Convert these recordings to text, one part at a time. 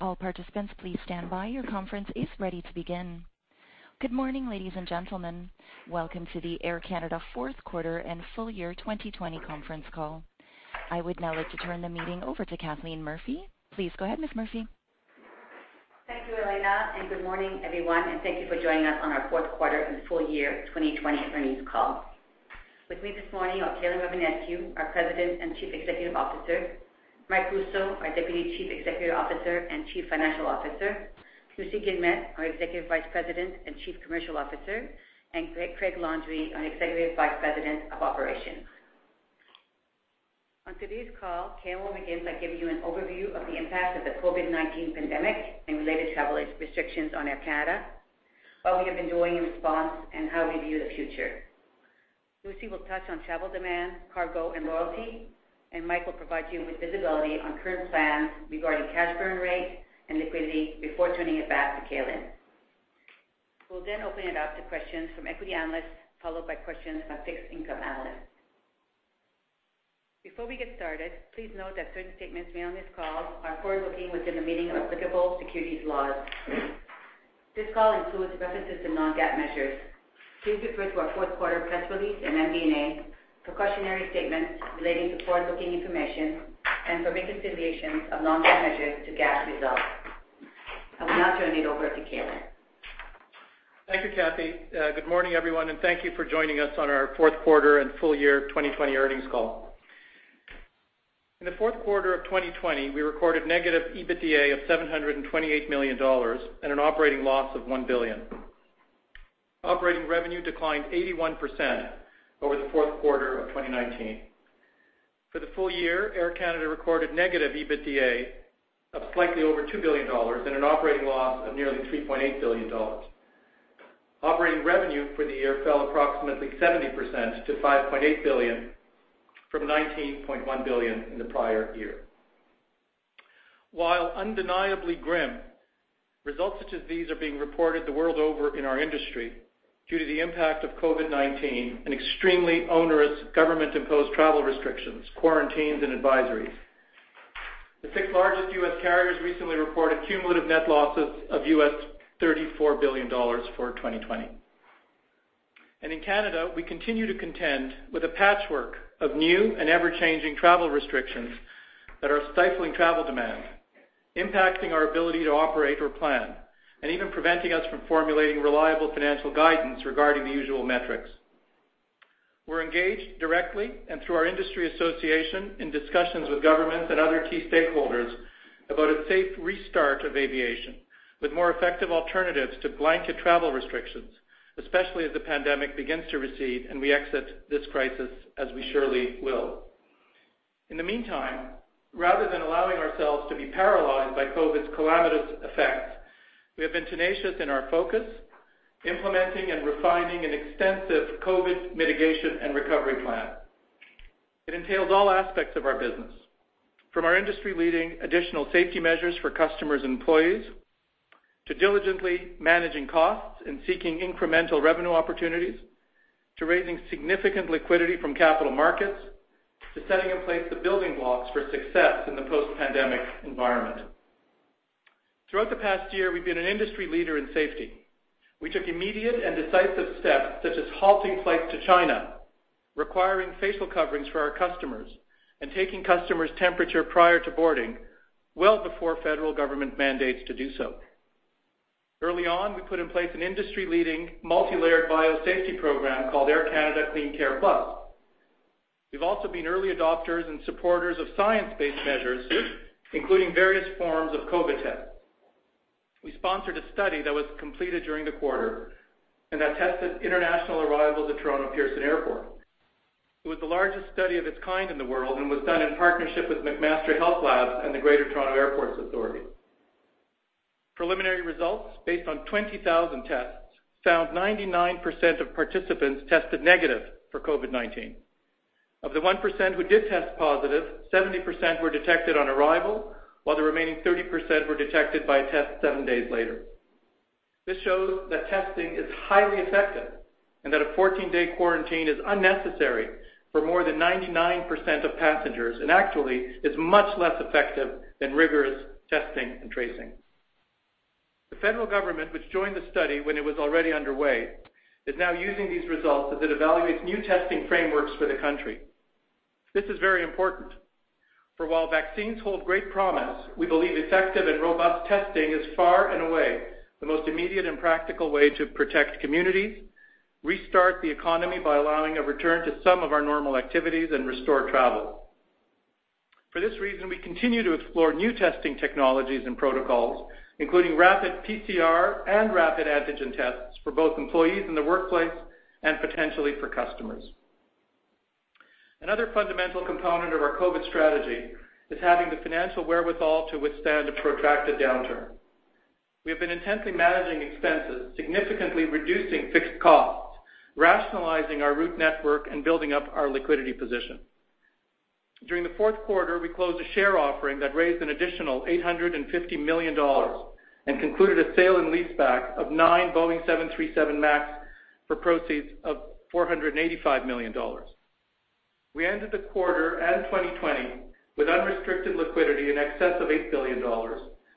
Good morning, ladies and gentlemen. Welcome to the Air Canada fourth quarter and full year 2020 conference call. I would now like to turn the meeting over to Kathleen Murphy. Please go ahead, Ms. Murphy. Thank you, Elena. Good morning, everyone. Thank you for joining us on our fourth quarter and full year 2020 earnings call. With me this morning are Calin Rovinescu, our President and Chief Executive Officer, Michael Rousseau, our Deputy Chief Executive Officer and Chief Financial Officer, Lucie Guillemette, our Executive Vice President and Chief Commercial Officer, and Craig Landry, our Executive Vice President of Operations. On today's call, Calin will begin by giving you an overview of the impact of the COVID-19 pandemic and related travel restrictions on Air Canada, what we have been doing in response, and how we view the future. Lucie will touch on travel demand, cargo, and loyalty. Mike will provide you with visibility on current plans regarding cash burn rate and liquidity before turning it back to Calin. We'll then open it up to questions from equity analysts, followed by questions from fixed income analysts. Before we get started, please note that certain statements made on this call are forward-looking within the meaning of applicable securities laws. This call includes references to non-GAAP measures. Please refer to our fourth quarter press release and MD&A for cautionary statements relating to forward-looking information and for reconciliations of non-GAAP measures to GAAP results. I will now turn it over to Calin. Thank you, Kathy. Good morning, everyone, thank you for joining us on our fourth quarter and full year 2020 earnings call. In the fourth quarter of 2020, we recorded negative EBITDA of $728 million and an operating loss of 1 billion. Operating revenue declined 81% over the fourth quarter of 2019. For the full year, Air Canada recorded negative EBITDA of slightly over $2 billion and an operating loss of nearly $3.8 billion. Operating revenue for the year fell approximately 70% to 5.8 billion from 19.1 billion in the prior year. While undeniably grim, results such as these are being reported the world over in our industry due to the impact of COVID-19 and extremely onerous government-imposed travel restrictions, quarantines, and advisories. The six largest U.S. carriers recently reported cumulative net losses of U.S. $34 billion for 2020. In Canada, we continue to contend with a patchwork of new and ever-changing travel restrictions that are stifling travel demand, impacting our ability to operate or plan, and even preventing us from formulating reliable financial guidance regarding the usual metrics. We're engaged directly and through our industry association in discussions with governments and other key stakeholders about a safe restart of aviation with more effective alternatives to blanket travel restrictions, especially as the pandemic begins to recede and we exit this crisis, as we surely will. In the meantime, rather than allowing ourselves to be paralyzed by COVID's calamitous effects, we have been tenacious in our focus, implementing and refining an extensive COVID mitigation and recovery plan. It entails all aspects of our business, from our industry-leading additional safety measures for customers and employees to diligently managing costs and seeking incremental revenue opportunities to raising significant liquidity from capital markets to setting in place the building blocks for success in the post-pandemic environment. Throughout the past year, we've been an industry leader in safety. We took immediate and decisive steps, such as halting flights to China, requiring facial coverings for our customers, and taking customers' temperature prior to boarding well before federal government mandates to do so. Early on, we put in place an industry-leading multi-layered biosafety program called Air Canada CleanCare+. We've also been early adopters and supporters of science-based measures, including various forms of COVID tests. We sponsored a study that was completed during the quarter and that tested international arrivals at Toronto Pearson Airport. It was the largest study of its kind in the world and was done in partnership with McMaster HealthLabs and the Greater Toronto Airports Authority. Preliminary results based on 20,000 tests found 99% of participants tested negative for COVID-19. Of the 1% who did test positive, 70% were detected on arrival, while the remaining 30% were detected by a test seven days later. This shows that testing is highly effective and that a 14-day quarantine is unnecessary for more than 99% of passengers, and actually is much less effective than rigorous testing and tracing. The federal government, which joined the study when it was already underway, is now using these results as it evaluates new testing frameworks for the country. This is very important, for while vaccines hold great promise, we believe effective and robust testing is far and away the most immediate and practical way to protect communities, restart the economy by allowing a return to some of our normal activities, and restore travel. For this reason, we continue to explore new testing technologies and protocols, including rapid PCR and rapid antigen tests for both employees in the workplace and potentially for customers. Another fundamental component of our COVID strategy is having the financial wherewithal to withstand a protracted downturn. We have been intensely managing expenses, significantly reducing fixed costs, rationalizing our route network, and building up our liquidity position. During the fourth quarter, we closed a share offering that raised an additional $850 million and concluded a sale and leaseback of nine Boeing 737 MAX for proceeds of $485 million. We ended the quarter and 2020 with unrestricted liquidity in excess of $8 billion,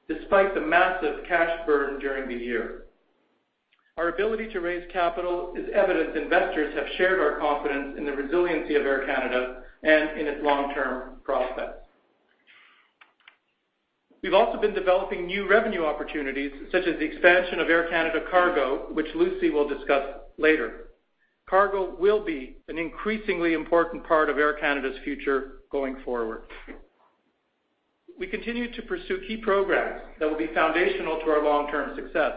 despite the massive cash burn during the year. Our ability to raise capital is evidence investors have shared our confidence in the resiliency of Air Canada and in its long-term process. We've also been developing new revenue opportunities, such as the expansion of Air Canada Cargo, which Lucie will discuss later. Cargo will be an increasingly important part of Air Canada's future going forward. We continue to pursue key programs that will be foundational to our long-term success.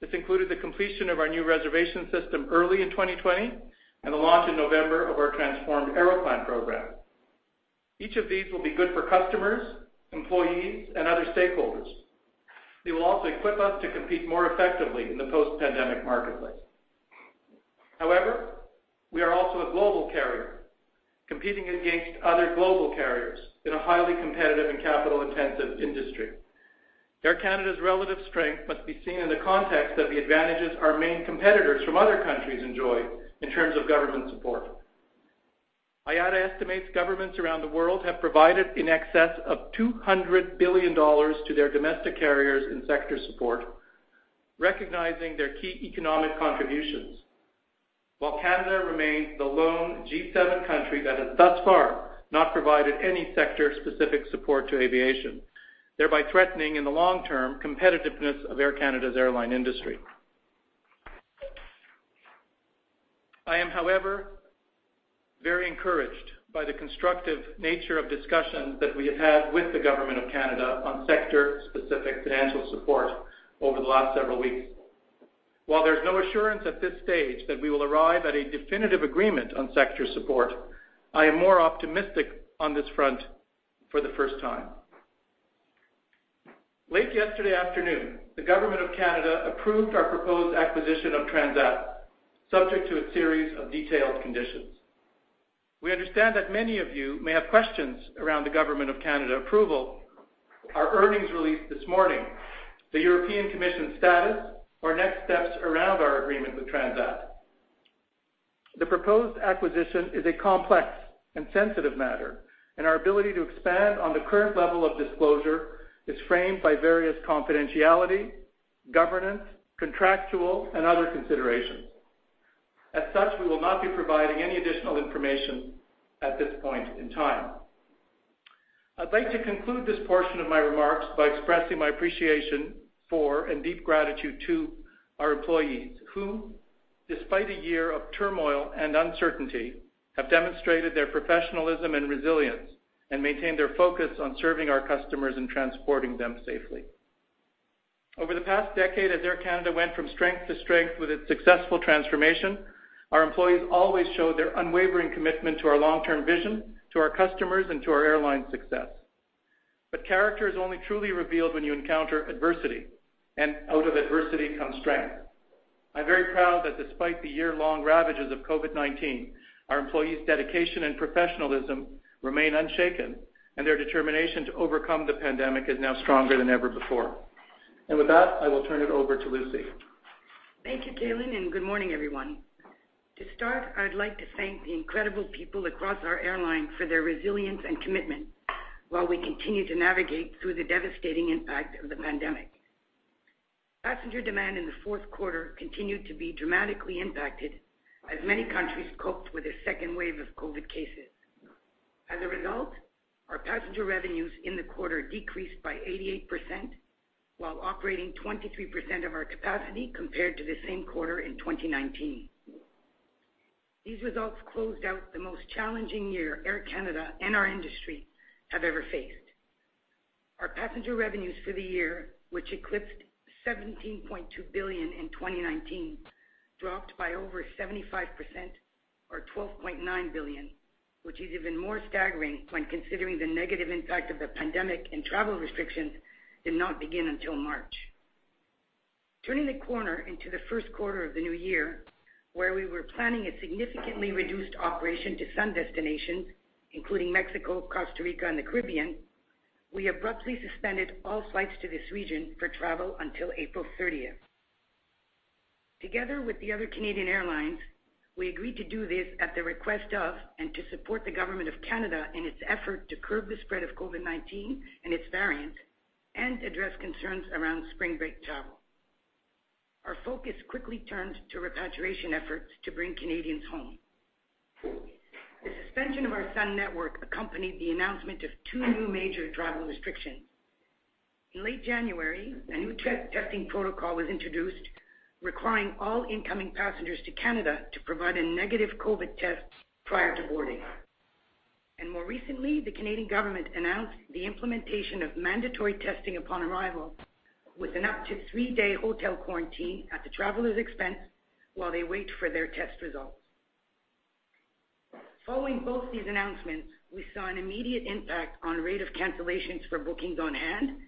This included the completion of our new reservation system early in 2020 and the launch in November of our transformed Aeroplan program. Each of these will be good for customers, employees, and other stakeholders. They will also equip us to compete more effectively in the post-pandemic marketplace. However, we are also a global carrier competing against other global carriers in a highly competitive and capital-intensive industry. Air Canada's relative strength must be seen in the context of the advantages our main competitors from other countries enjoy in terms of government support. IATA estimates governments around the world have provided in excess of $200 billion to their domestic carriers in sector support, recognizing their key economic contributions, while Canada remains the lone G7 country that has thus far not provided any sector-specific support to aviation, thereby threatening, in the long term, the competitiveness of Air Canada's airline industry. I am, however, very encouraged by the constructive nature of discussions that we have had with the Government of Canada on sector-specific financial support over the last several weeks. While there's no assurance at this stage that we will arrive at a definitive agreement on sector support, I am more optimistic on this front for the first time. Late yesterday afternoon, the Government of Canada approved our proposed acquisition of Transat, subject to a series of detailed conditions. We understand that many of you may have questions around the Government of Canada approval, our earnings release this morning, the European Commission status, or next steps around our agreement with Transat. Our ability to expand on the current level of disclosure is framed by various confidentiality, governance, contractual, and other considerations. As such, we will not be providing any additional information at this point in time. I'd like to conclude this portion of my remarks by expressing my appreciation for and deep gratitude to our employees, who, despite a year of turmoil and uncertainty, have demonstrated their professionalism and resilience and maintained their focus on serving our customers and transporting them safely. Over the past decade, as Air Canada went from strength to strength with its successful transformation, our employees always showed their unwavering commitment to our long-term vision, to our customers, and to our airline's success. Character is only truly revealed when you encounter adversity, and out of adversity comes strength. I'm very proud that despite the year-long ravages of COVID-19, our employees' dedication and professionalism remain unshaken, and their determination to overcome the pandemic is now stronger than ever before. With that, I will turn it over to Lucie. Thank you, Calin and good morning, everyone. To start, I'd like to thank the incredible people across our airline for their resilience and commitment while we continue to navigate through the devastating impact of the pandemic. Passenger demand in the fourth quarter continued to be dramatically impacted as many countries coped with a second wave of COVID-19 cases. As a result, our passenger revenues in the quarter decreased by 88%, while operating 23% of our capacity compared to the same quarter in 2019. These results closed out the most challenging year Air Canada and our industry have ever faced. Our passenger revenues for the year, which eclipsed 17.2 billion in 2019, dropped by over 75%, or 12.9 billion, which is even more staggering when considering the negative impact of the pandemic and travel restrictions did not begin until March. Turning the corner into the first quarter of the new year, where we were planning a significantly reduced operation to sun destinations, including Mexico, Costa Rica, and the Caribbean, we abruptly suspended all flights to this region for travel until April 30th. Together with the other Canadian airlines, we agreed to do this at the request of and to support the Government of Canada in its effort to curb the spread of COVID-19 and its variants and address concerns around spring break travel. Our focus quickly turned to repatriation efforts to bring Canadians home. The suspension of our sun network accompanied the announcement of two new major travel restrictions. In late January, a new testing protocol was introduced, requiring all incoming passengers to Canada to provide a negative COVID test prior to boarding. And more recently, the Canadian government announced the implementation of mandatory testing upon arrival with an up to three-day hotel quarantine at the traveler's expense while they wait for their test results. Following both these announcements, we saw an immediate impact on rate of cancellations for bookings on hand,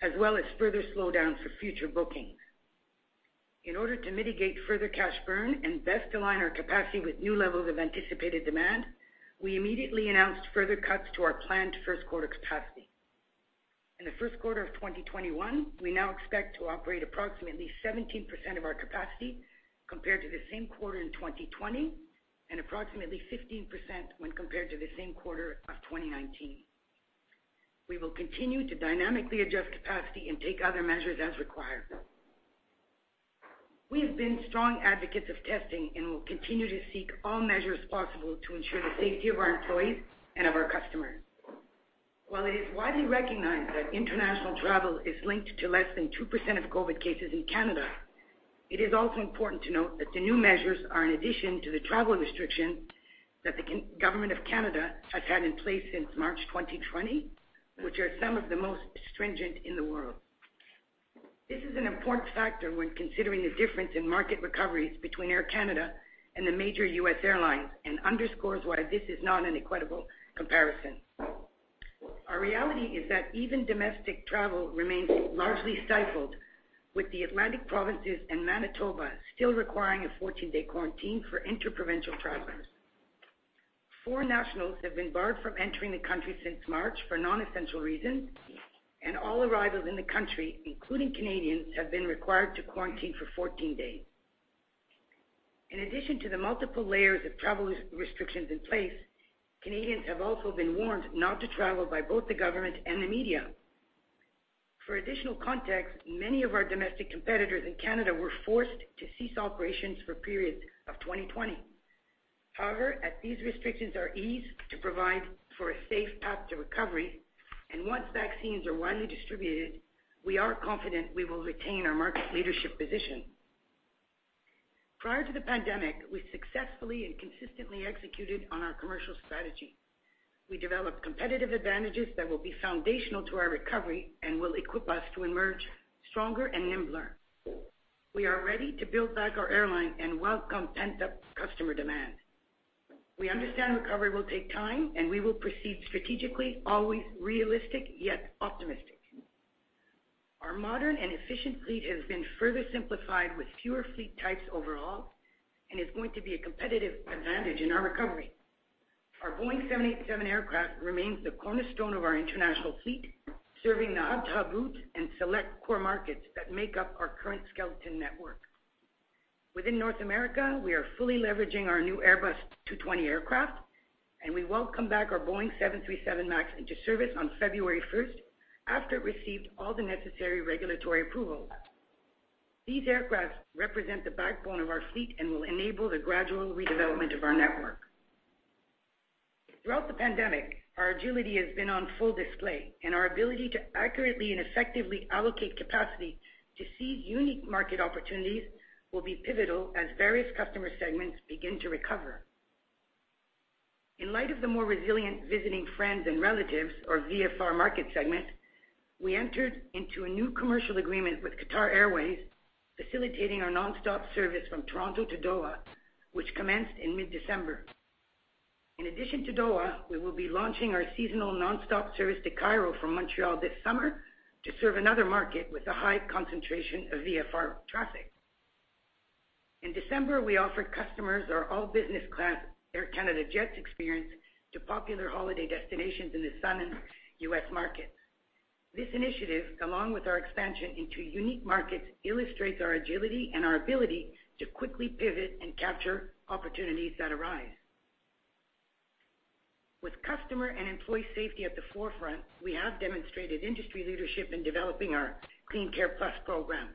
as well as further slowdowns for future bookings. In order to mitigate further cash burn and best align our capacity with new levels of anticipated demand, we immediately announced further cuts to our planned first quarter capacity. In the first quarter of 2021, we now expect to operate approximately 17% of our capacity compared to the same quarter in 2020, and approximately 15% when compared to the same quarter of 2019. We will continue to dynamically adjust capacity and take other measures as required. We have been strong advocates of testing and will continue to seek all measures possible to ensure the safety of our employees and of our customers. While it is widely recognized that international travel is linked to less than 2% of COVID cases in Canada, it is also important to note that the new measures are an addition to the travel restriction that the government of Canada has had in place since March 2020, which are some of the most stringent in the world. This is an important factor when considering the difference in market recoveries between Air Canada and the major U.S. airlines and underscores why this is not an equitable comparison. Our reality is that even domestic travel remains largely stifled, with the Atlantic provinces and Manitoba still requiring a 14-day quarantine for inter-provincial travelers. Foreign nationals have been barred from entering the country since March for non-essential reasons, and all arrivals in the country, including Canadians, have been required to quarantine for 14 days. In addition to the multiple layers of travel restrictions in place, Canadians have also been warned not to travel by both the government and the media. For additional context, many of our domestic competitors in Canada were forced to cease operations for periods of 2020. However, as these restrictions are eased to provide for a safe path to recovery, and once vaccines are widely distributed, we are confident we will retain our market leadership position. Prior to the pandemic, we successfully and consistently executed on our commercial strategy. We developed competitive advantages that will be foundational to our recovery and will equip us to emerge stronger and nimbler. We are ready to build back our airline and welcome pent-up customer demand. We understand recovery will take time, and we will proceed strategically, always realistic, yet optimistic. Our modern and efficient fleet has been further simplified with fewer fleet types overall, and is going to be a competitive advantage in our recovery. Our Boeing 787 aircraft remains the cornerstone of our international fleet, serving the hub-to-hub route and select core markets that make up our current skeleton network. Within North America, we are fully leveraging our new Airbus A220 aircraft, and we welcome back our Boeing 737 MAX into service on February 1st, after it received all the necessary regulatory approvals. These aircraft represent the backbone of our fleet and will enable the gradual redevelopment of our network. Throughout the pandemic, our agility has been on full display, and our ability to accurately and effectively allocate capacity to seize unique market opportunities will be pivotal as various customer segments begin to recover. In light of the more resilient visiting friends and relatives, or VFR market segment, we entered into a new commercial agreement with Qatar Airways, facilitating our non-stop service from Toronto to Doha, which commenced in mid-December. In addition to Doha, we will be launching our seasonal non-stop service to Cairo from Montreal this summer to serve another market with a high concentration of VFR traffic. In December, we offered customers our all-business class Air Canada Jetz experience to popular holiday destinations in the sun in U.S. markets. This initiative, along with our expansion into unique markets, illustrates our agility and our ability to quickly pivot and capture opportunities that arise. With customer and employee safety at the forefront, we have demonstrated industry leadership in developing our CleanCare+ program.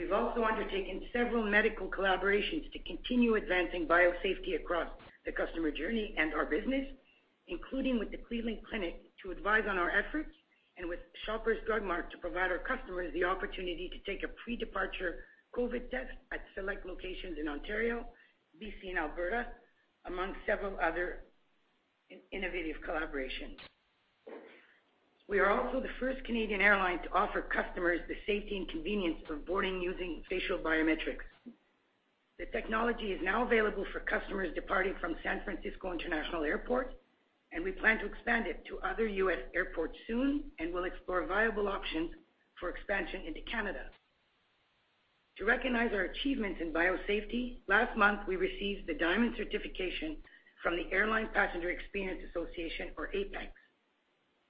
We've also undertaken several medical collaborations to continue advancing biosafety across the customer journey and our business, including with the Cleveland Clinic to advise on our efforts, and with Shoppers Drug Mart to provide our customers the opportunity to take a pre-departure COVID test at select locations in Ontario, B.C., and Alberta, among several other innovative collaborations. We are also the first Canadian airline to offer customers the safety and convenience for boarding using facial biometrics. The technology is now available for customers departing from San Francisco International Airport, and we plan to expand it to other U.S. airports soon and will explore viable options for expansion into Canada. To recognize our achievements in biosafety, last month, we received the Diamond certification from the Airline Passenger Experience Association, or APEX.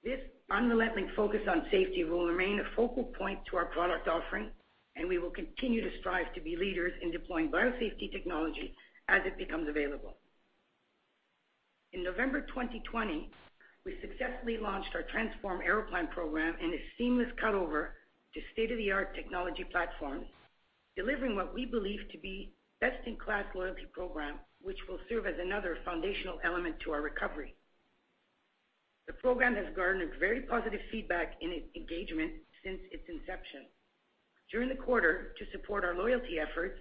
This unrelenting focus on safety will remain a focal point to our product offering, and we will continue to strive to be leaders in deploying biosafety technology as it becomes available. In November 2020, we successfully launched our Transform Aeroplan program in a seamless cut-over to state-of-the-art technology platforms, delivering what we believe to be best-in-class loyalty program, which will serve as another foundational element to our recovery. The program has garnered very positive feedback and engagement since its inception. During the quarter, to support our loyalty efforts,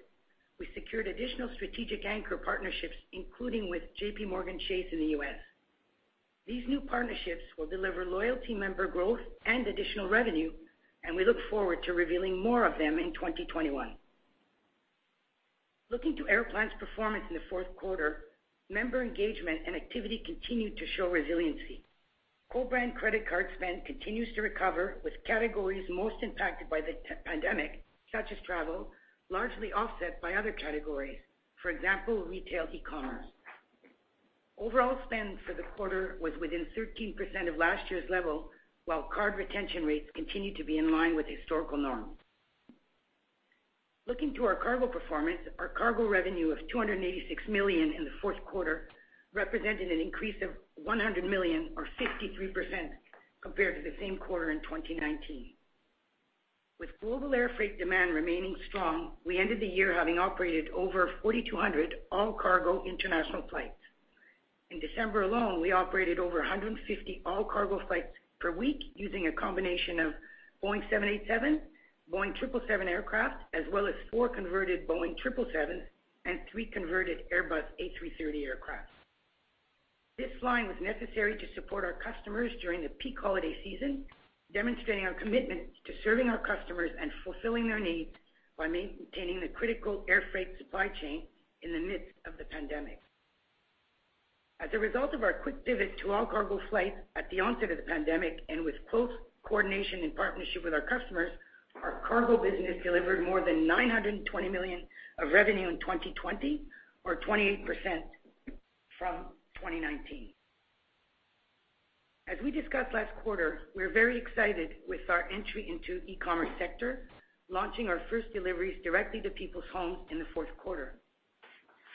we secured additional strategic anchor partnerships, including with JPMorgan Chase in the U.S. These new partnerships will deliver loyalty member growth and additional revenue, and we look forward to revealing more of them in 2021. Looking to Aeroplan's performance in the fourth quarter, member engagement and activity continued to show resiliency. Co-brand credit card spend continues to recover, with categories most impacted by the pandemic, such as travel, largely offset by other categories, for example, retail e-commerce. Overall spend for the quarter was within 13% of last year's level, while card retention rates continued to be in line with historical norms. Looking to our cargo performance, our cargo revenue of 286 million in the fourth quarter represented an increase of 100 million or 53% compared to the same quarter in 2019. With global air freight demand remaining strong, we ended the year having operated over 4,200 all-cargo international flights. In December alone, we operated over 150 all-cargo flights per week using a combination of Boeing 787, Boeing 777 aircraft, as well as four converted Boeing 777 and three converted Airbus A330 aircraft. This flying was necessary to support our customers during the peak holiday season, demonstrating our commitment to serving our customers and fulfilling their needs by maintaining the critical air freight supply chain in the midst of the pandemic. As a result of our quick pivot to all-cargo flights at the onset of the pandemic, and with close coordination and partnership with our customers, our cargo business delivered more than 920 million of revenue in 2020 or 28% from 2019. As we discussed last quarter, we're very excited with our entry into e-commerce sector, launching our first deliveries directly to people's homes in the fourth quarter.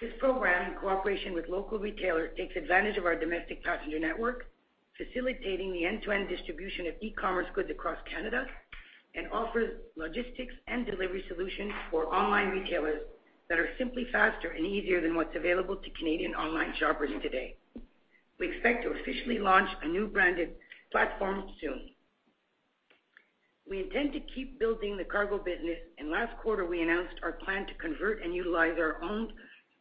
This program, in cooperation with local retailers, takes advantage of our domestic passenger network, facilitating the end-to-end distribution of e-commerce goods across Canada, and offers logistics and delivery solutions for online retailers that are simply faster and easier than what's available to Canadian online shoppers today. We expect to officially launch a new branded platform soon. We intend to keep building the cargo business, and last quarter, we announced our plan to convert and utilize our owned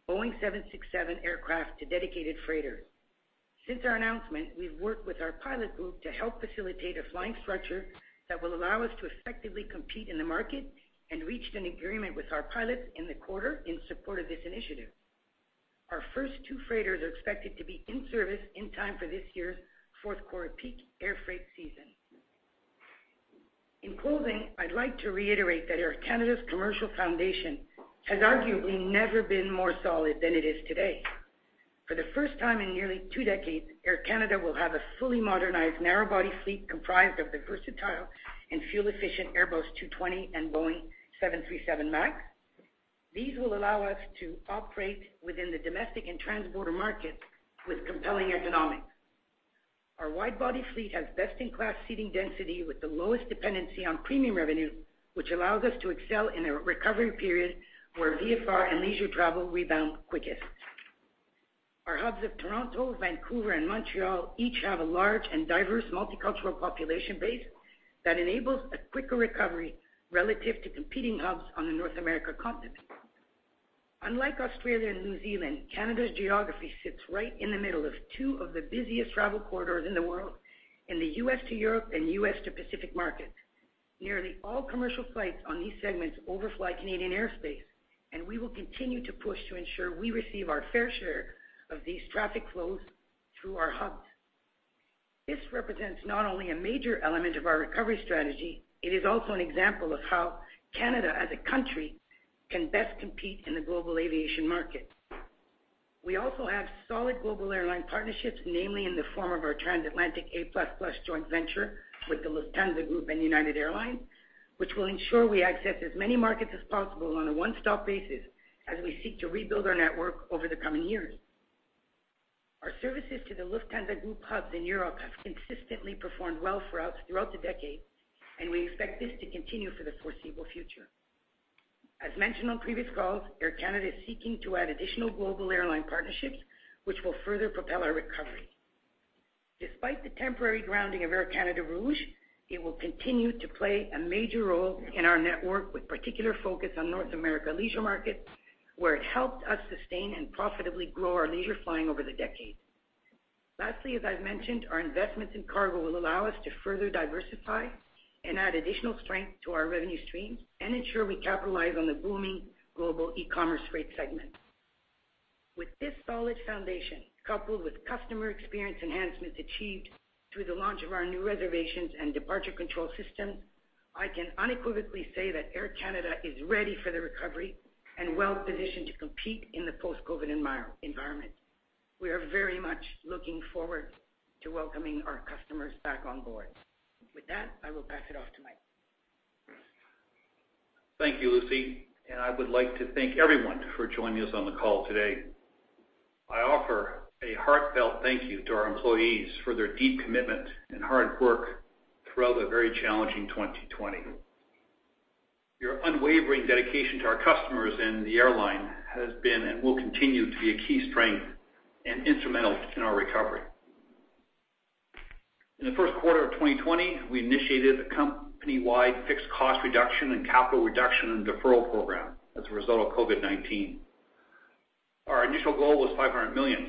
Boeing 767 aircraft to dedicated freighter. Since our announcement, we've worked with our pilot group to help facilitate a flying structure that will allow us to effectively compete in the market and reached an agreement with our pilots in the quarter in support of this initiative. Our first two freighters are expected to be in service in time for this year's fourth quarter peak air freight season. In closing, I'd like to reiterate that Air Canada's commercial foundation has arguably never been more solid than it is today. For the first time in nearly two decades, Air Canada will have a fully modernized narrow-body fleet comprised of the versatile and fuel-efficient Airbus A220 and Boeing 737 MAX. These will allow us to operate within the domestic and transborder markets with compelling economics. Our wide-body fleet has best-in-class seating density with the lowest dependency on premium revenue, which allows us to excel in a recovery period where VFR and leisure travel rebound quickest. Our hubs of Toronto, Vancouver, and Montreal each have a large and diverse multicultural population base that enables a quicker recovery relative to competing hubs on the North America continent. Unlike Australia and New Zealand, Canada's geography sits right in the middle of two of the busiest travel corridors in the world, in the U.S. to Europe and U.S. to Pacific markets. Nearly all commercial flights on these segments overfly Canadian airspace. We will continue to push to ensure we receive our fair share of these traffic flows through our hubs. This represents not only a major element of our recovery strategy, it is also an example of how Canada as a country can best compete in the global aviation market. We also have solid global airline partnerships, namely in the form of our transatlantic A++ joint venture with the Lufthansa Group and United Airlines, which will ensure we access as many markets as possible on a one-stop basis as we seek to rebuild our network over the coming years. Our services to the Lufthansa Group hubs in Europe have consistently performed well throughout the decade, and we expect this to continue for the foreseeable future. As mentioned on previous calls, Air Canada is seeking to add additional global airline partnerships, which will further propel our recovery. Despite the temporary grounding of Air Canada Rouge, it will continue to play a major role in our network, with particular focus on North America leisure markets, where it helped us sustain and profitably grow our leisure flying over the decade. Lastly, as I've mentioned, our investments in cargo will allow us to further diversify and add additional strength to our revenue streams and ensure we capitalize on the booming global e-commerce freight segment. With this solid foundation, coupled with customer experience enhancements achieved through the launch of our new reservations and departure control system, I can unequivocally say that Air Canada is ready for the recovery and well-positioned to compete in the post-COVID environment. We are very much looking forward to welcoming our customers back on board. With that, I will pass it off to Mike. Thank you, Lucie. I would like to thank everyone for joining us on the call today. I offer a heartfelt thank you to our employees for their deep commitment and hard work throughout a very challenging 2020. Your unwavering dedication to our customers and the airline has been and will continue to be a key strength and instrumental in our recovery. In the first quarter of 2020, we initiated a company-wide fixed cost reduction and capital reduction and deferral program as a result of COVID-19. Our initial goal was 500 million.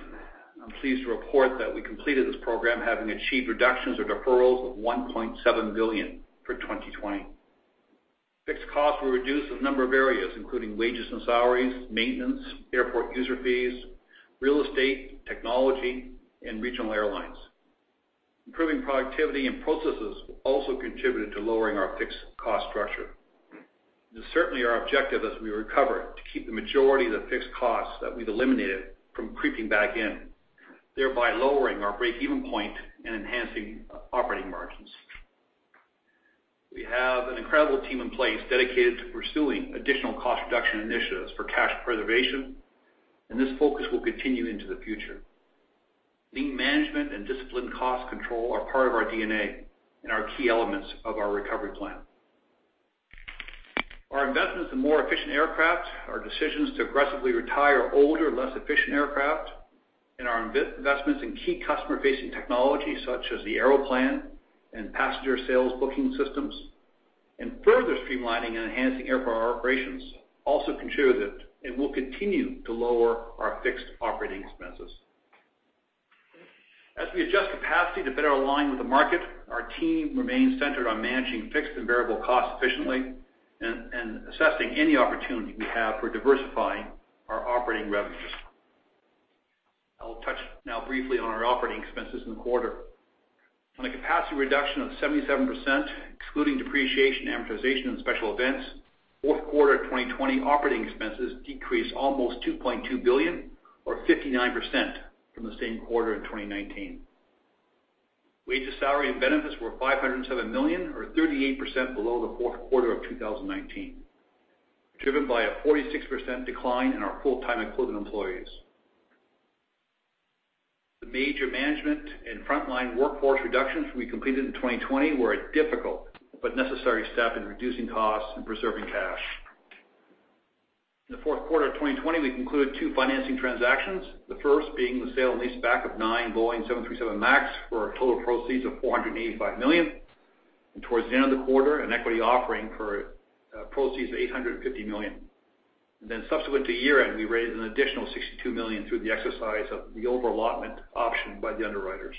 I am pleased to report that we completed this program having achieved reductions or deferrals of 1.7 billion for 2020. Fixed costs were reduced in a number of areas, including wages and salaries, maintenance, airport user fees, real estate, technology, and regional airlines. Improving productivity and processes also contributed to lowering our fixed cost structure. It is certainly our objective as we recover to keep the majority of the fixed costs that we've eliminated from creeping back in, thereby lowering our breakeven point and enhancing operating margins. We have an incredible team in place dedicated to pursuing additional cost reduction initiatives for cash preservation, and this focus will continue into the future. Lean management and disciplined cost control are part of our DNA and are key elements of our recovery plan. Our investments in more efficient aircraft, our decisions to aggressively retire older, less efficient aircraft, and our investments in key customer-facing technology such as the Aeroplan and passenger sales booking systems and further streamlining and enhancing Air Canada operations also contributed and will continue to lower our fixed operating expenses. As we adjust capacity to better align with the market, our team remains centered on managing fixed and variable costs efficiently and assessing any opportunity we have for diversifying our operating revenues. I'll touch now briefly on our operating expenses in the quarter. On a capacity reduction of 77%, excluding depreciation, amortization, and special events, fourth quarter 2020 operating expenses decreased almost 2.2 billion or 59% from the same quarter in 2019. Wages, salary, and benefits were 507 million or 38% below the fourth quarter of 2019, driven by a 46% decline in our full-time equivalent employees. The major management and frontline workforce reductions we completed in 2020 were a difficult but necessary step in reducing costs and preserving cash. In the fourth quarter of 2020, we concluded two financing transactions, the first being the sale and lease back of nine Boeing 737 MAX for a total proceeds of 485 million. Towards the end of the quarter, an equity offering for proceeds of 850 million. Subsequent to year-end, we raised an additional 62 million through the exercise of the over-allotment option by the underwriters.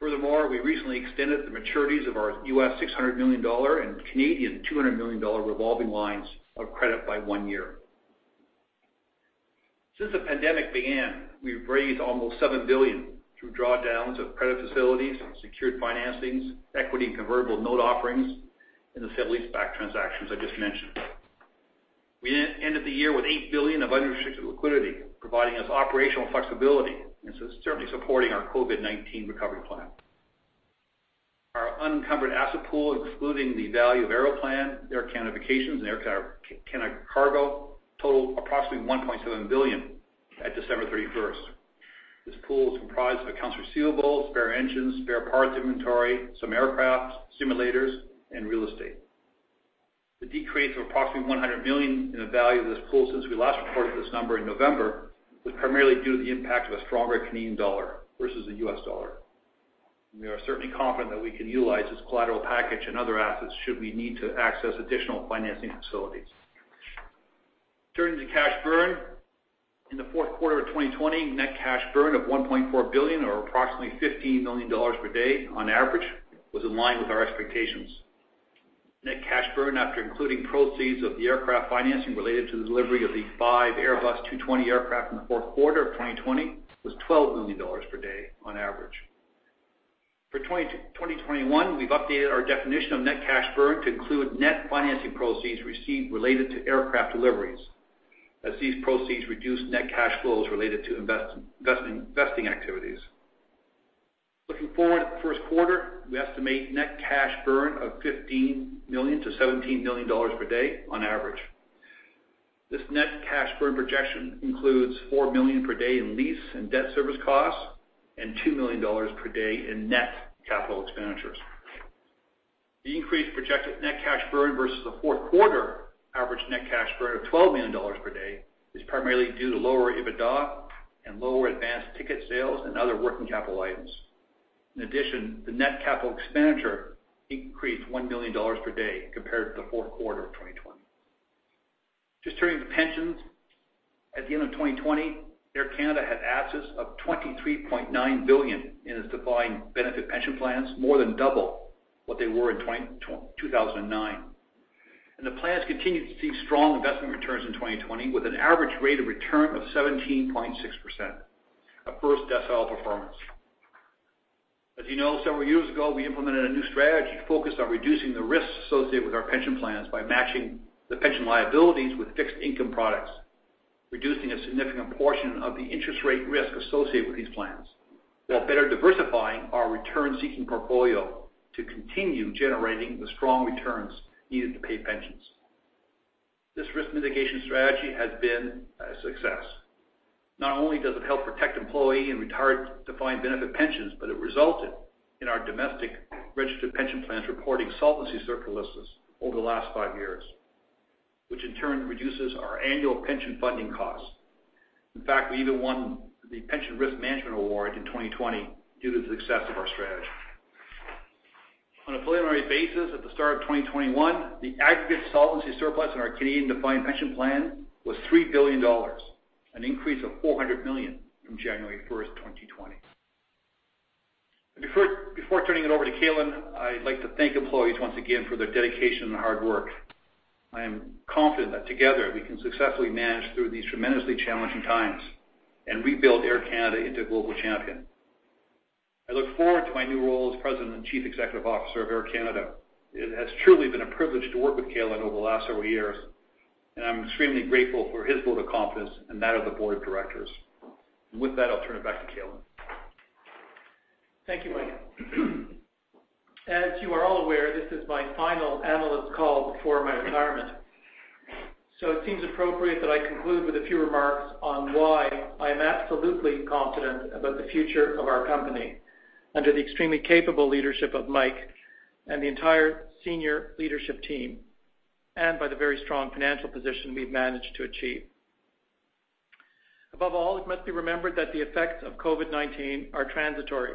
Furthermore, we recently extended the maturities of our $600 million and 200 million Canadian dollars revolving lines of credit by one year. Since the pandemic began, we've raised almost 7 billion through drawdowns of credit facilities, secured financings, equity and convertible note offerings, and the sale-leaseback transactions I just mentioned. We ended the year with 8 billion of unrestricted liquidity, providing us operational flexibility and certainly supporting our COVID-19 recovery plan. Our unencumbered asset pool, including the value of Aeroplan, Air Canada Vacations, and Air Canada Cargo, total approximately 1.7 billion at December 31st. This pool is comprised of accounts receivable, spare engines, spare parts inventory, some aircraft, simulators, and real estate. The decrease of approximately 100 million in the value of this pool since we last reported this number in November was primarily due to the impact of a stronger Canadian dollar versus the U.S. dollar. We are certainly confident that we can utilize this collateral package and other assets should we need to access additional financing facilities. Turning to cash burn. In the fourth quarter of 2020, net cash burn of 1.4 billion or approximately $15 million per day on average was in line with our expectations. Net cash burn after including proceeds of the aircraft financing related to the delivery of the five Airbus A220 aircraft in the fourth quarter of 2020 was $12 million per day on average. For 2021, we've updated our definition of net cash burn to include net financing proceeds received related to aircraft deliveries, as these proceeds reduce net cash flows related to investing activities. Looking forward to the first quarter, we estimate net cash burn of 15 million to $17 billion per day on average. This net cash burn projection includes 4 million per day in lease and debt service costs and $2 million per day in net capital expenditures. The increased projected net cash burn versus the fourth quarter average net cash burn of $12 million per day is primarily due to lower EBITDA and lower advanced ticket sales and other working capital items. In addition, the net capital expenditure increased $1 billion per day compared to the fourth quarter of 2020. Just turning to pensions. At the end of 2020, Air Canada had assets of 23.9 billion in its defined benefit pension plans, more than double what they were in 2009. The plans continued to see strong investment returns in 2020 with an average rate of return of 17.6%, a first decile performance. As you know, several years ago, we implemented a new strategy focused on reducing the risks associated with our pension plans by matching the pension liabilities with fixed income products, reducing a significant portion of the interest rate risk associated with these plans, while better diversifying our return-seeking portfolio to continue generating the strong returns needed to pay pensions. This risk mitigation strategy has been a success. Not only does it help protect employee and retired defined benefit pensions, but it resulted in our domestic registered pension plans reporting solvency surplus over the last five years, which in turn reduces our annual pension funding costs. In fact, we even won the Pension Risk Management Award in 2020 due to the success of our strategy. On a preliminary basis at the start of 2021, the aggregate solvency surplus in our Canadian defined pension plan was $3 billion, an increase of 400 million from January 1st, 2020. Before turning it over to Calin, I'd like to thank employees once again for their dedication and hard work. I am confident that together we can successfully manage through these tremendously challenging times and rebuild Air Canada into a global champion. I look forward to my new role as President and Chief Executive Officer of Air Canada. It has truly been a privilege to work with Calin over the last several years, and I'm extremely grateful for his vote of confidence and that of the board of directors. With that, I'll turn it back to Calin. Thank you, Mike. As you are all aware, this is my final analyst call before my retirement, so it seems appropriate that I conclude with a few remarks on why I am absolutely confident about the future of our company under the extremely capable leadership of Mike and the entire senior leadership team, and by the very strong financial position we've managed to achieve. Above all, it must be remembered that the effects of COVID-19 are transitory,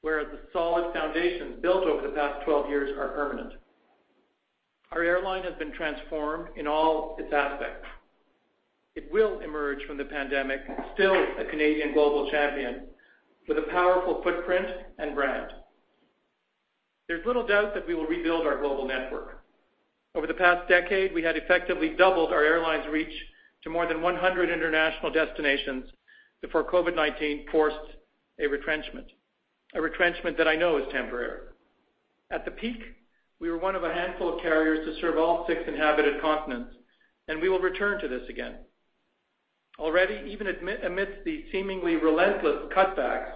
whereas the solid foundations built over the past 12 years are permanent. Our airline has been transformed in all its aspects. It will emerge from the pandemic, still a Canadian global champion with a powerful footprint and brand. There's little doubt that we will rebuild our global network. Over the past decade, we had effectively doubled our airline's reach to more than 100 international destinations before COVID-19 forced a retrenchment. A retrenchment that I know is temporary. At the peak, we were one of a handful of carriers to serve all six inhabited continents, and we will return to this again. Already, even amidst the seemingly relentless cutbacks,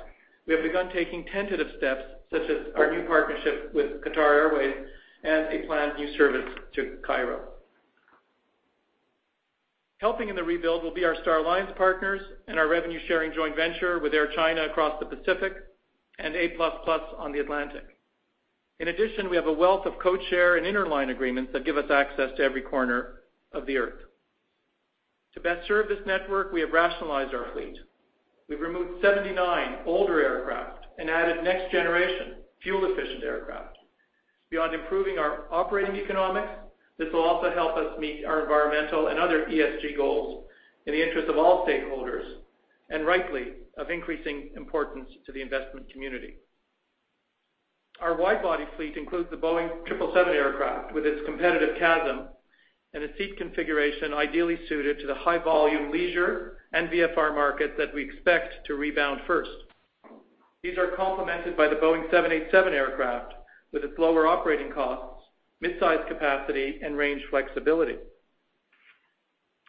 we have begun taking tentative steps, such as our new partnership with Qatar Airways and a planned new service to Cairo. Helping in the rebuild will be our Star Alliance partners and our revenue-sharing joint venture with Air China across the Pacific and A++ on the Atlantic. In addition, we have a wealth of codeshare and interline agreements that give us access to every corner of the Earth. To best serve this network, we have rationalized our fleet. We've removed 79 older aircraft and added next-generation fuel-efficient aircraft. Beyond improving our operating economics, this will also help us meet our environmental and other ESG goals in the interest of all stakeholders, and rightly, of increasing importance to the investment community. Our wide-body fleet includes the Boeing 777 aircraft with its competitive [LOPA] and a seat configuration ideally suited to the high-volume leisure and VFR market that we expect to rebound first. These are complemented by the Boeing 787 aircraft with its lower operating costs, midsize capacity, and range flexibility.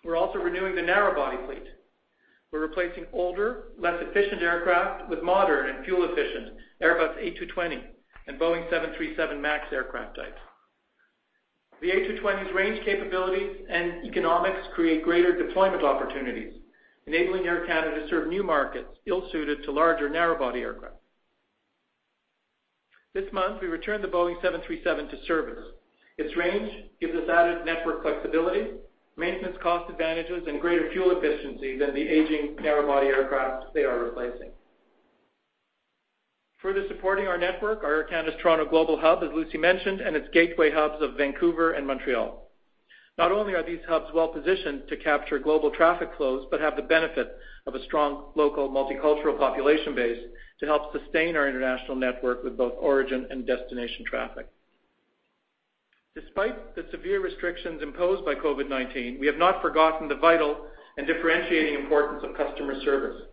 We're also renewing the narrow-body fleet. We're replacing older, less efficient aircraft with modern and fuel-efficient Airbus A220 and Boeing 737 MAX aircraft types. The A220's range capabilities and economics create greater deployment opportunities, enabling Air Canada to serve new markets ill-suited to larger narrow-body aircraft. This month, we returned the Boeing 737 to service. Its range gives us added network flexibility, maintenance cost advantages, and greater fuel efficiency than the aging narrow-body aircraft they are replacing. Further supporting our network are Air Canada's Toronto global hub, as Lucie mentioned, and its gateway hubs of Vancouver and Montreal. Not only are these hubs well-positioned to capture global traffic flows but have the benefit of a strong local multicultural population base to help sustain our international network with both origin and destination traffic. Despite the severe restrictions imposed by COVID-19, we have not forgotten the vital and differentiating importance of customer service.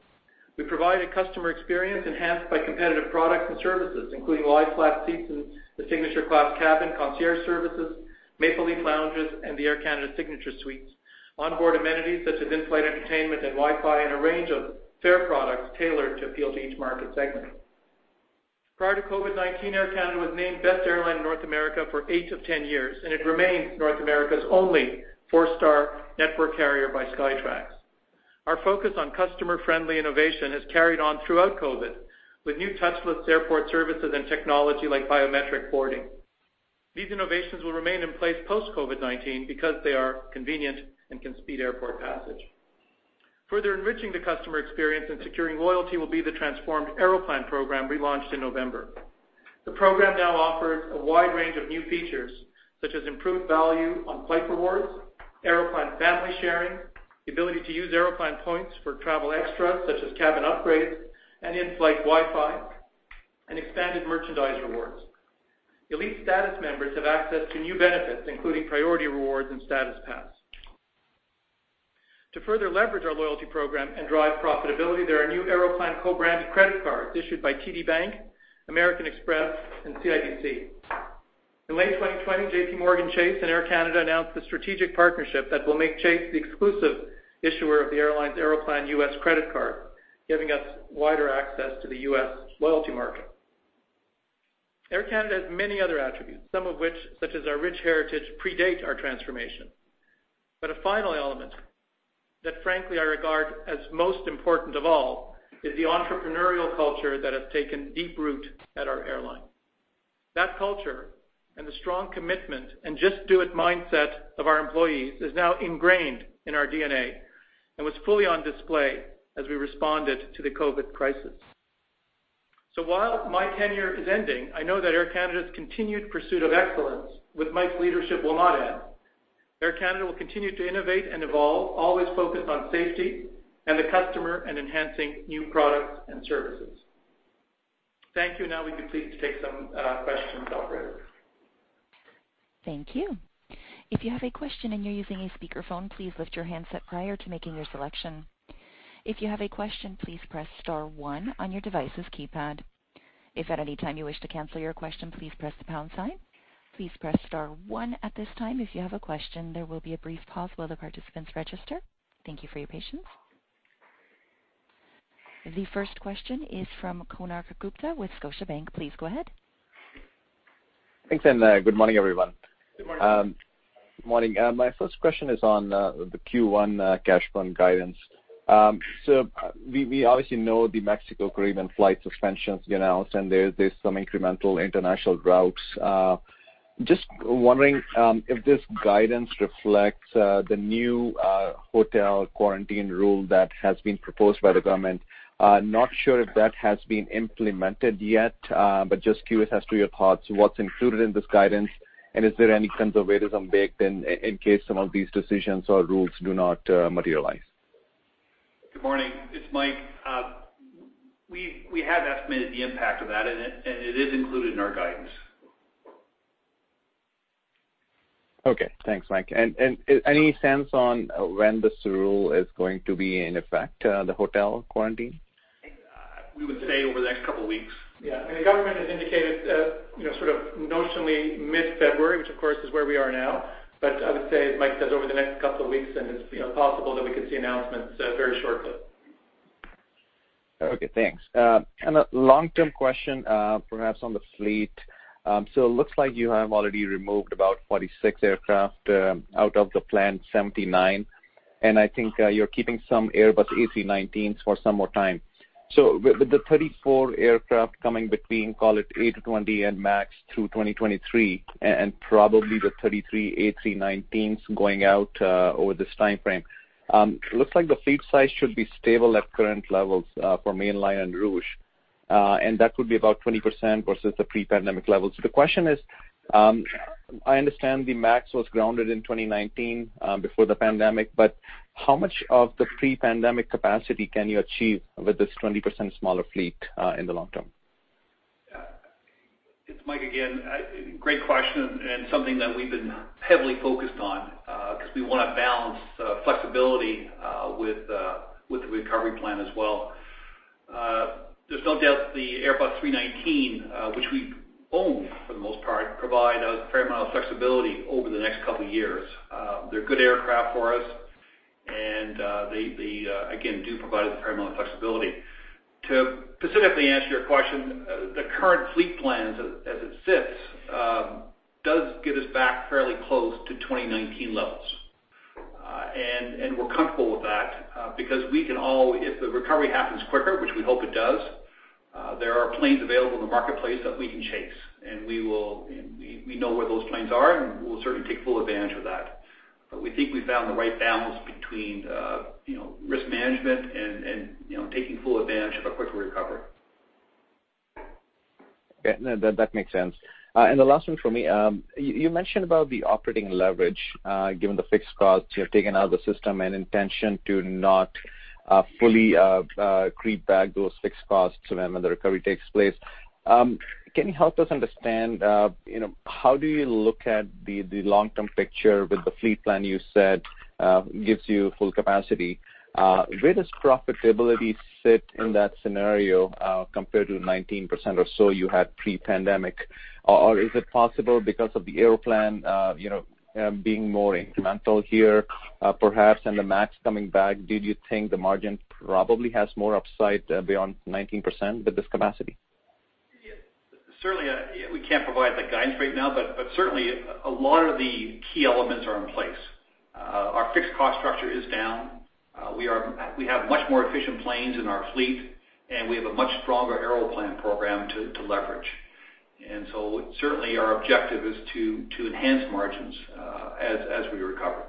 We provide a customer experience enhanced by competitive products and services, including lie-flat seats in the Signature Class cabin, Concierge Services, Maple Leaf Lounges, and the Air Canada Signature Suites, onboard amenities such as in-flight entertainment and Wi-Fi, and a range of fare products tailored to appeal to each market segment. Prior to COVID-19, Air Canada was named best airline in North America for eight of 10 years, and it remains North America's only four-star network carrier by Skytrax. Our focus on customer-friendly innovation has carried on throughout COVID with new touchless airport services and technology like biometric boarding. These innovations will remain in place post-COVID-19 because they are convenient and can speed airport passage. Further enriching the customer experience and securing loyalty will be the transformed Aeroplan program we launched in November. The program now offers a wide range of new features, such as improved value on flight rewards, Aeroplan family sharing, the ability to use Aeroplan points for travel extras such as cabin upgrades and in-flight Wi-Fi, and expanded merchandise rewards. Elite status members have access to new benefits, including priority rewards and status pass. To further leverage our loyalty program and drive profitability, there are new Aeroplan co-branded credit cards issued by TD Bank, American Express, and CIBC. In late 2020, JPMorgan Chase and Air Canada announced a strategic partnership that will make Chase the exclusive issuer of the airline's Aeroplan U.S. credit card, giving us wider access to the U.S. loyalty market. Air Canada has many other attributes, some of which, such as our rich heritage, predate our transformation. A final element that frankly I regard as most important of all is the entrepreneurial culture that has taken deep root at our airline. That culture and the strong commitment and just-do-it mindset of our employees is now ingrained in our DNA and was fully on display as we responded to the COVID crisis. While my tenure is ending, I know that Air Canada's continued pursuit of excellence with Mike's leadership will not end. Air Canada will continue to innovate and evolve, always focused on safety and the customer and enhancing new products and services. Thank you. Now we can please take some questions, Operator. Thank you. If you have a question and you are using a speaker phone, please lift your hand prior to making your selection. If you have a question please press star one your devices keypad. If at any time you wish to cancel your question, please press the pound sign. Please press star one at this time if you have a question there will be a brief call for the participant register. Thank you for your patience. The first question is from Konark Gupta with Scotiabank. Please go ahead. Thanks, and good morning, everyone. Good morning. Good morning. My first question is on the Q1 cash burn guidance. We obviously know the Mexico-Caribbean flight suspensions announced, and there's some incremental international routes. Just wondering if this guidance reflects the new hotel quarantine rule that has been proposed by the government. Not sure if that has been implemented yet, but just curious as to your thoughts, what's included in this guidance, and is there any sense of it is unbaked in case some of these decisions or rules do not materialize? Good morning. It's Mike. We have estimated the impact of that. It is included in our guidance. Okay, thanks, Mike. Any sense on when this rule is going to be in effect, the hotel quarantine? We would say over the next couple of weeks. Yeah. I mean, the government has indicated sort of notionally mid-February, which of course is where we are now. I would say, as Mike says, over the next couple of weeks, and it's possible that we could see announcements very shortly. Okay, thanks. A long-term question, perhaps on the fleet. It looks like you have already removed about 46 aircraft out of the planned 79, and I think you're keeping some Airbus A319s for some more time. With the 34 aircraft coming between, call it A220 and MAX through 2023, and probably the 33 A319s going out over this timeframe. Looks like the fleet size should be stable at current levels for mainline and Rouge, and that would be about 20% versus the pre-pandemic levels. The question is, I understand the MAX was grounded in 2019 before the pandemic, but how much of the pre-pandemic capacity can you achieve with this 20% smaller fleet in the long term? It's Mike again. Great question. Something that we've been heavily focused on because we want to balance flexibility with the recovery plan as well. There's no doubt the Airbus A319, which we own for the most part, provide a fair amount of flexibility over the next couple of years. They're good aircraft for us. They, again, do provide a fair amount of flexibility. To specifically answer your question, the current fleet plans as it sits does get us back fairly close to 2019 levels. We're comfortable with that because we can all, if the recovery happens quicker, which we hope it does, there are planes available in the marketplace that we can chase, and we know where those planes are, and we'll certainly take full advantage of that. We think we found the right balance between risk management and taking full advantage of a quick recovery. Okay. No, that makes sense. The last one from me. You mentioned about the operating leverage given the fixed costs you have taken out of the system and intention to not fully creep back those fixed costs when the recovery takes place. Can you help us understand, how do you look at the long-term picture with the fleet plan you said gives you full capacity? Where does profitability sit in that scenario compared to the 19% or so you had pre-pandemic? Is it possible because of the Aeroplan being more incremental here perhaps, and the MAX coming back, did you think the margin probably has more upside beyond 19% with this capacity? Certainly, we can't provide the guidance right now, but certainly a lot of the key elements are in place. Our fixed cost structure is down. We have much more efficient planes in our fleet, and we have a much stronger Aeroplan program to leverage. Certainly our objective is to enhance margins as we recover.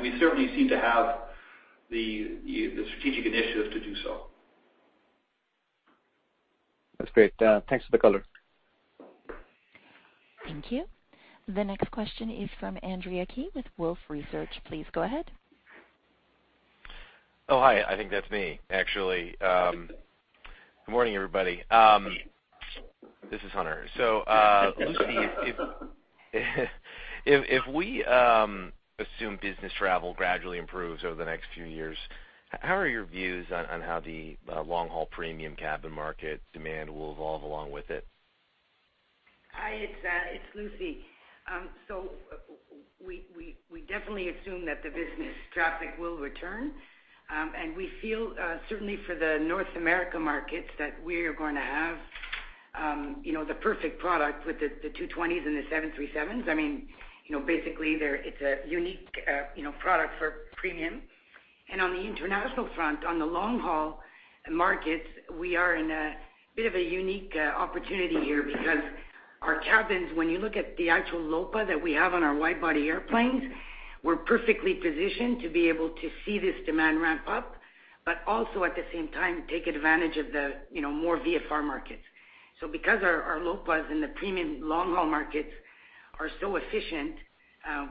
We certainly seem to have the strategic initiatives to do so. That's great. Thanks for the color. Thank you. The next question is from Andrew Didora with Wolfe Research. Please go ahead. Oh, hi. I think that's me, actually. Good morning, everybody. This is Hunter. Lucie, if we assume business travel gradually improves over the next few years, how are your views on how the long-haul premium cabin market demand will evolve along with it? Hi Hunter, it's Lucie. We definitely assume that the business traffic will return. We feel, certainly for the North America markets, that we're going to have the perfect product with the A220s and the Boeing 737s. I mean, basically, it's a unique product for premium. On the international front, on the long-haul markets, we are in a bit of a unique opportunity here because our cabins, when you look at the actual LOPA that we have on our wide-body airplanes, we're perfectly positioned to be able to see this demand ramp up, but also at the same time take advantage of the more VFR markets. Because our LOPAs in the premium long-haul markets are so efficient,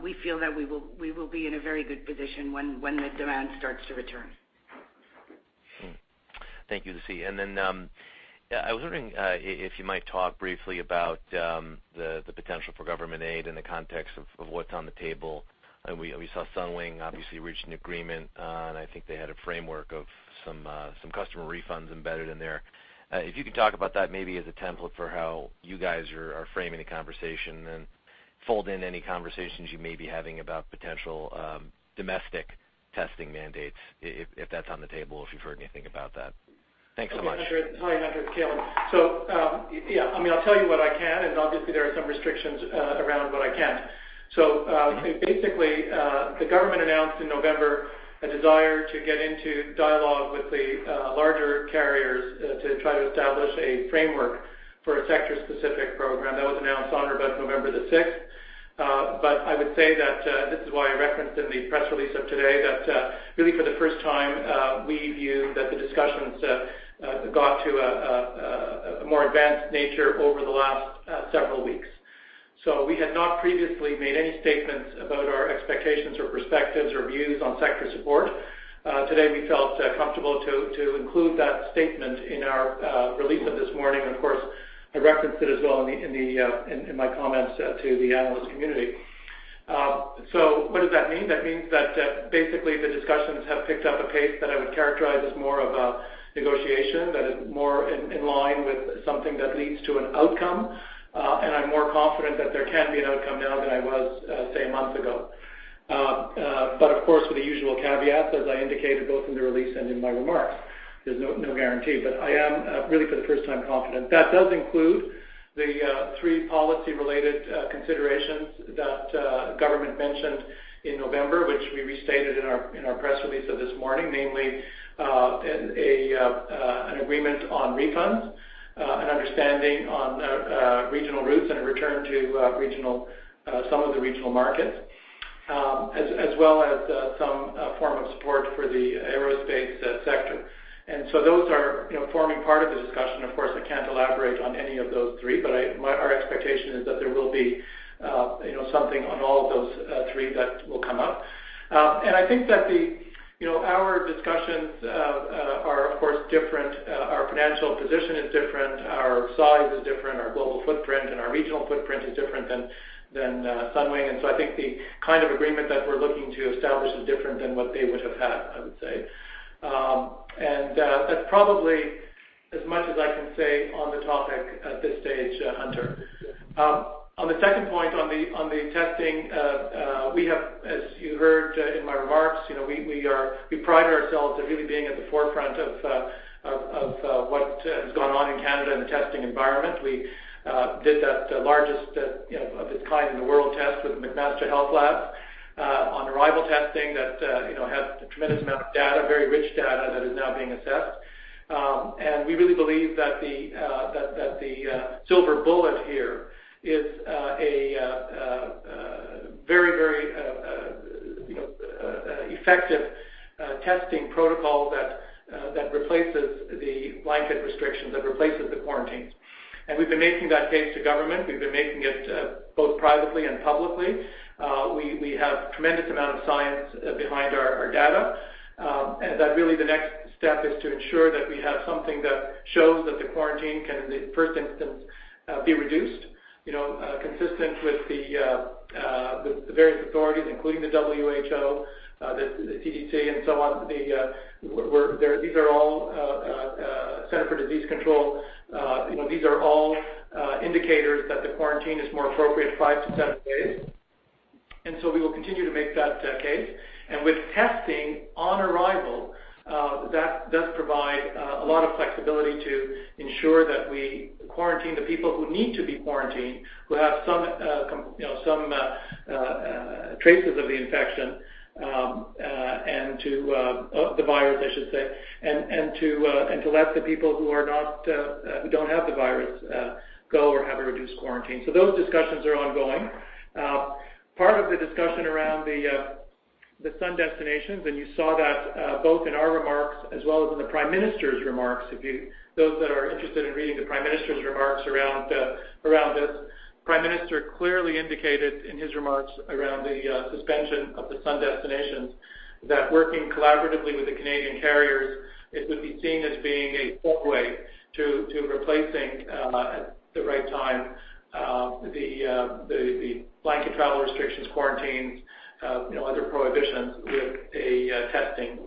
we feel that we will be in a very good position when the demand starts to return. Thank you, Lucie. I was wondering if you might talk briefly about the potential for government aid in the context of what's on the table. We saw Sunwing obviously reached an agreement, and I think they had a framework of some customer refunds embedded in there. If you could talk about that maybe as a template for how you guys are framing the conversation and fold in any conversations you may be having about potential domestic testing mandates, if that's on the table, if you've heard anything about that. Thanks so much. Hi, Hunter. It's Calin. I'll tell you what I can, and obviously there are some restrictions around what I can't. Basically, the government announced in November a desire to get into dialogue with the larger carriers to try to establish a framework for a sector-specific program. That was announced on or about November the 6th. I would say that this is why I referenced in the press release of today that really for the first time, we view that the discussions got to a more advanced nature over the last several weeks. We had not previously made any statements about our expectations or perspectives or views on sector support. Today, we felt comfortable to include that statement in our release of this morning. Of course, I referenced it as well in my comments to the analyst community. What does that mean? That means that basically the discussions have picked up a pace that I would characterize as more of a negotiation that is more in line with something that leads to an outcome. I'm more confident that there can be an outcome now than I was, say, a month ago. Of course, with the usual caveat, as I indicated both in the release and in my remarks, there's no guarantee. I am really, for the first time, confident. That does include the three policy-related considerations that government mentioned in November, which we restated in our press release of this morning, namely an agreement on refunds, an understanding on regional routes, and a return to some of the regional markets, as well as some form of support for the aerospace sector. Those are forming part of the discussion. I can't elaborate on any of those three. Our expectation is that there will be something on all of those three that will come up. I think that our discussions are of course different. Our financial position is different, our size is different, our global footprint and our regional footprint is different than Sunwing. I think the kind of agreement that we're looking to establish is different than what they would have had, I would say. That's probably as much as I can say on the topic at this stage, Hunter. On the second point on the testing, as you heard in my remarks, we pride ourselves on really being at the forefront of what is going on in Canada in the testing environment. We did that largest of its kind in the world test with McMaster HealthLabs on arrival testing that has a tremendous amount of data, very rich data that is now being assessed. We really believe that the silver bullet here is a very effective testing protocol that replaces the blanket restrictions, that replaces the quarantines. We've been making that case to government. We've been making it both privately and publicly. We have tremendous amount of science behind our data, and that really the next step is to ensure that we have something that shows that the quarantine can, in the first instance, be reduced consistent with the various authorities, including the WHO, the CDC, and so on. These are all Center for Disease Control. These are all indicators that the quarantine is more appropriate five to seven days. We will continue to make that case. With testing on arrival, that does provide a lot of flexibility to ensure that we quarantine the people who need to be quarantined, who have some traces of the infection, the virus, I should say, and to let the people who don't have the virus go or have a reduced quarantine. Those discussions are ongoing. Part of the discussion around the sun destinations, and you saw that both in our remarks as well as in the Prime Minister's remarks. Those that are interested in reading the Prime Minister's remarks around this, Prime Minister clearly indicated in his remarks around the suspension of the sun destinations that working collaboratively with the Canadian carriers, it would be seen as being a pathway to replacing at the right time the blanket travel restrictions, quarantines, other prohibitions with a testing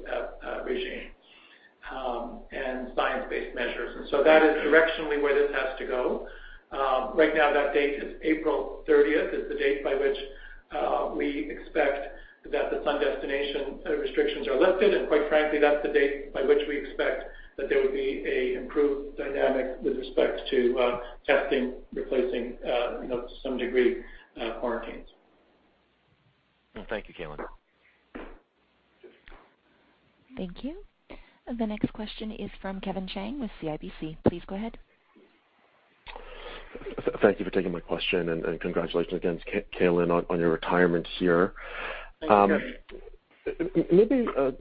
regime and science-based measures. That is directionally where this has to go. Right now, that date is April 30th, is the date by which we expect that the sun destination restrictions are lifted. Quite frankly, that's the date by which we expect that there will be an improved dynamic with respect to testing replacing to some degree quarantines. Thank you, Calin. Thank you. The next question is from Kevin Chiang with CIBC. Please go ahead. Thank you for taking my question and congratulations again, Calin, on your retirement here. Thank you, Kevin.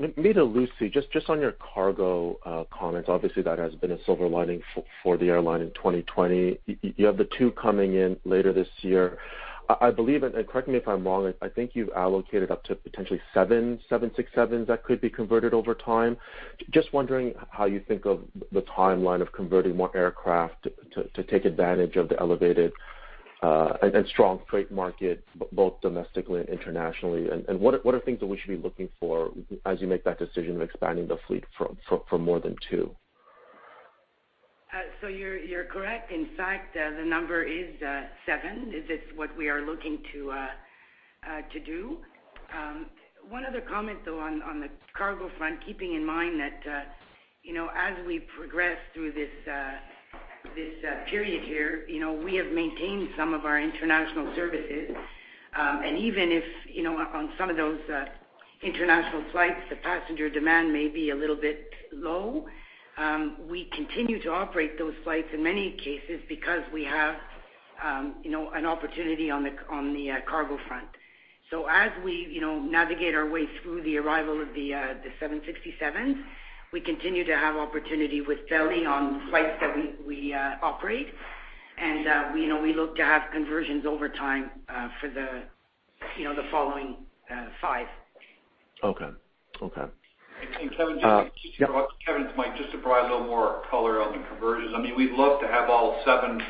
Maybe to Lucie, just on your Cargo comments. That has been a silver lining for the airline in 2020. You have the two coming in later this year. I believe, correct me if I'm wrong, I think you've allocated up to potentially seven 767s that could be converted over time. Just wondering how you think of the timeline of converting more aircraft to take advantage of the elevated and strong freight market, both domestically and internationally. What are things that we should be looking for as you make that decision of expanding the fleet for more than two? You're correct. In fact, the number is seven. This is what we are looking to do. One other comment, though, on the cargo front, keeping in mind that as we progress through this period here, we have maintained some of our international services. Even if on some of those international flights, the passenger demand may be a little bit low, we continue to operate those flights in many cases, because we have an opportunity on the cargo front. As we navigate our way through the arrival of the 767s, we continue to have opportunity with belly on flights that we operate, and we look to have conversions over time for the following five. Okay. Kevin, just to provide a little more color on the conversions. I mean, we'd love to have all seven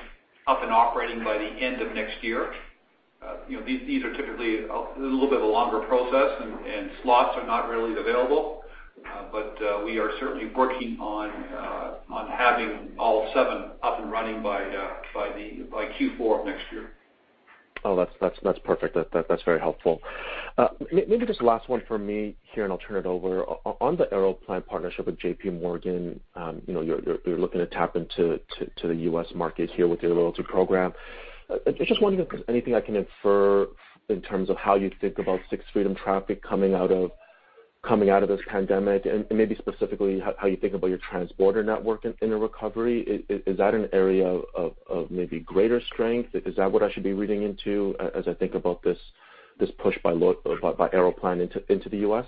up and operating by the end of next year. These are typically a little bit of a longer process and slots are not readily available. We are certainly working on having all seven up and running by Q4 of next year. Oh, that's perfect. That's very helpful. Maybe just last one from me here, and I'll turn it over. On the Aeroplan partnership with JPMorgan, you're looking to tap into the U.S. market here with your loyalty program. I just wonder if there's anything I can infer in terms of how you think about Sixth Freedom traffic coming out of this pandemic, and maybe specifically, how you think about your transborder network in a recovery. Is that an area of maybe greater strength? Is that what I should be reading into as I think about this push by Aeroplan into the U.S.?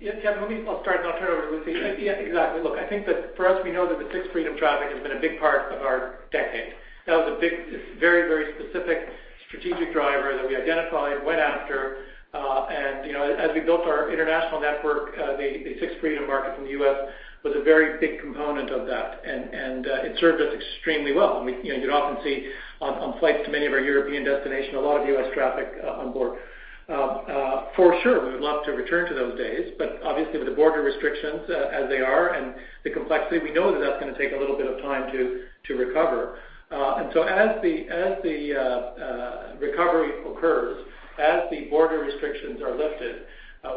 Yeah, Kevin, let me start. I'll turn it over to Lucie. Yeah, exactly. Look, I think that for us, we know that the Sixth Freedom traffic has been a big part of our decade. That was a very specific strategic driver that we identified, went after. As we built our international network, the Sixth Freedom market from the U.S. was a very big component of that, and it served us extremely well. You'd often see on flights to many of our European destinations, a lot of U.S. traffic on board. For sure, we would love to return to those days, obviously with the border restrictions as they are and the complexity, we know that's going to take a little bit of time to recover. As the recovery occurs, as the border restrictions are lifted,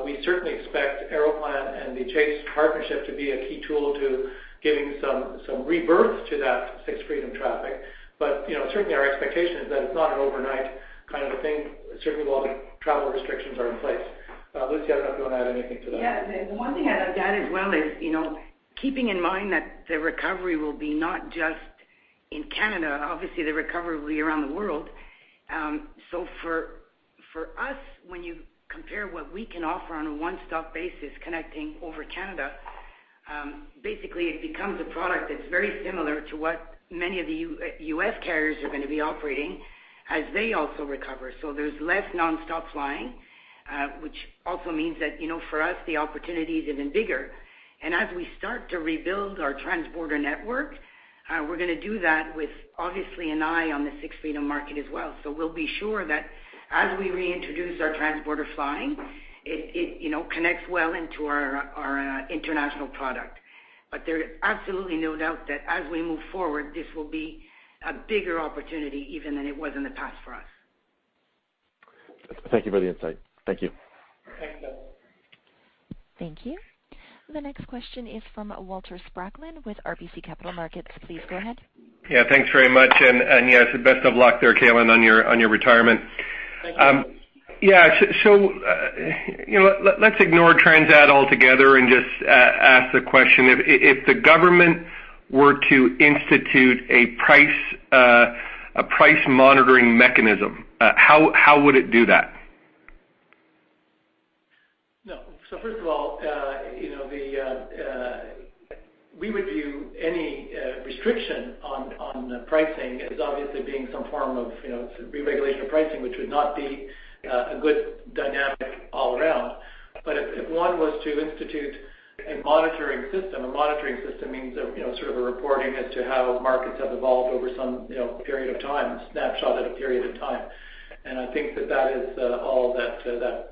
we certainly expect Aeroplan and the Chase partnership to be a key tool to giving some rebirth to that Sixth Freedom traffic. Certainly our expectation is that it's not an overnight kind of a thing certainly while the travel restrictions are in place. Lucie, I don't know if you want to add anything to that. Yeah, the one thing I'd add as well is, keeping in mind that the recovery will be not just in Canada, obviously the recovery will be around the world. For us, when you compare what we can offer on a one-stop basis connecting over Canada, basically it becomes a product that's very similar to what many of the U.S. carriers are going to be operating as they also recover. There's less nonstop flying, which also means that for us, the opportunity is even bigger. As we start to rebuild our transborder network, we're going to do that with obviously an eye on the Sixth Freedom market as well. We'll be sure that as we reintroduce our transborder flying, it connects well into our international product. There is absolutely no doubt that as we move forward, this will be a bigger opportunity even than it was in the past for us. Thank you for the insight. Thank you. Thanks, Kevin. Thank you. The next question is from Walter Spracklin with RBC Capital Markets. Please go ahead. Yeah, thanks very much. Yes, best of luck there, Calin, on your retirement. Thank you. Yeah. Let's ignore Transat altogether and just ask the question. If the government were to institute a price monitoring mechanism, how would it do that? No. First of all, we would view any restriction on pricing as obviously being some form of reregulation of pricing, which would not be a good dynamic all around. If one was to institute a monitoring system, a monitoring system means sort of a reporting as to how markets have evolved over some period of time, a snapshot at a period of time. I think that is all that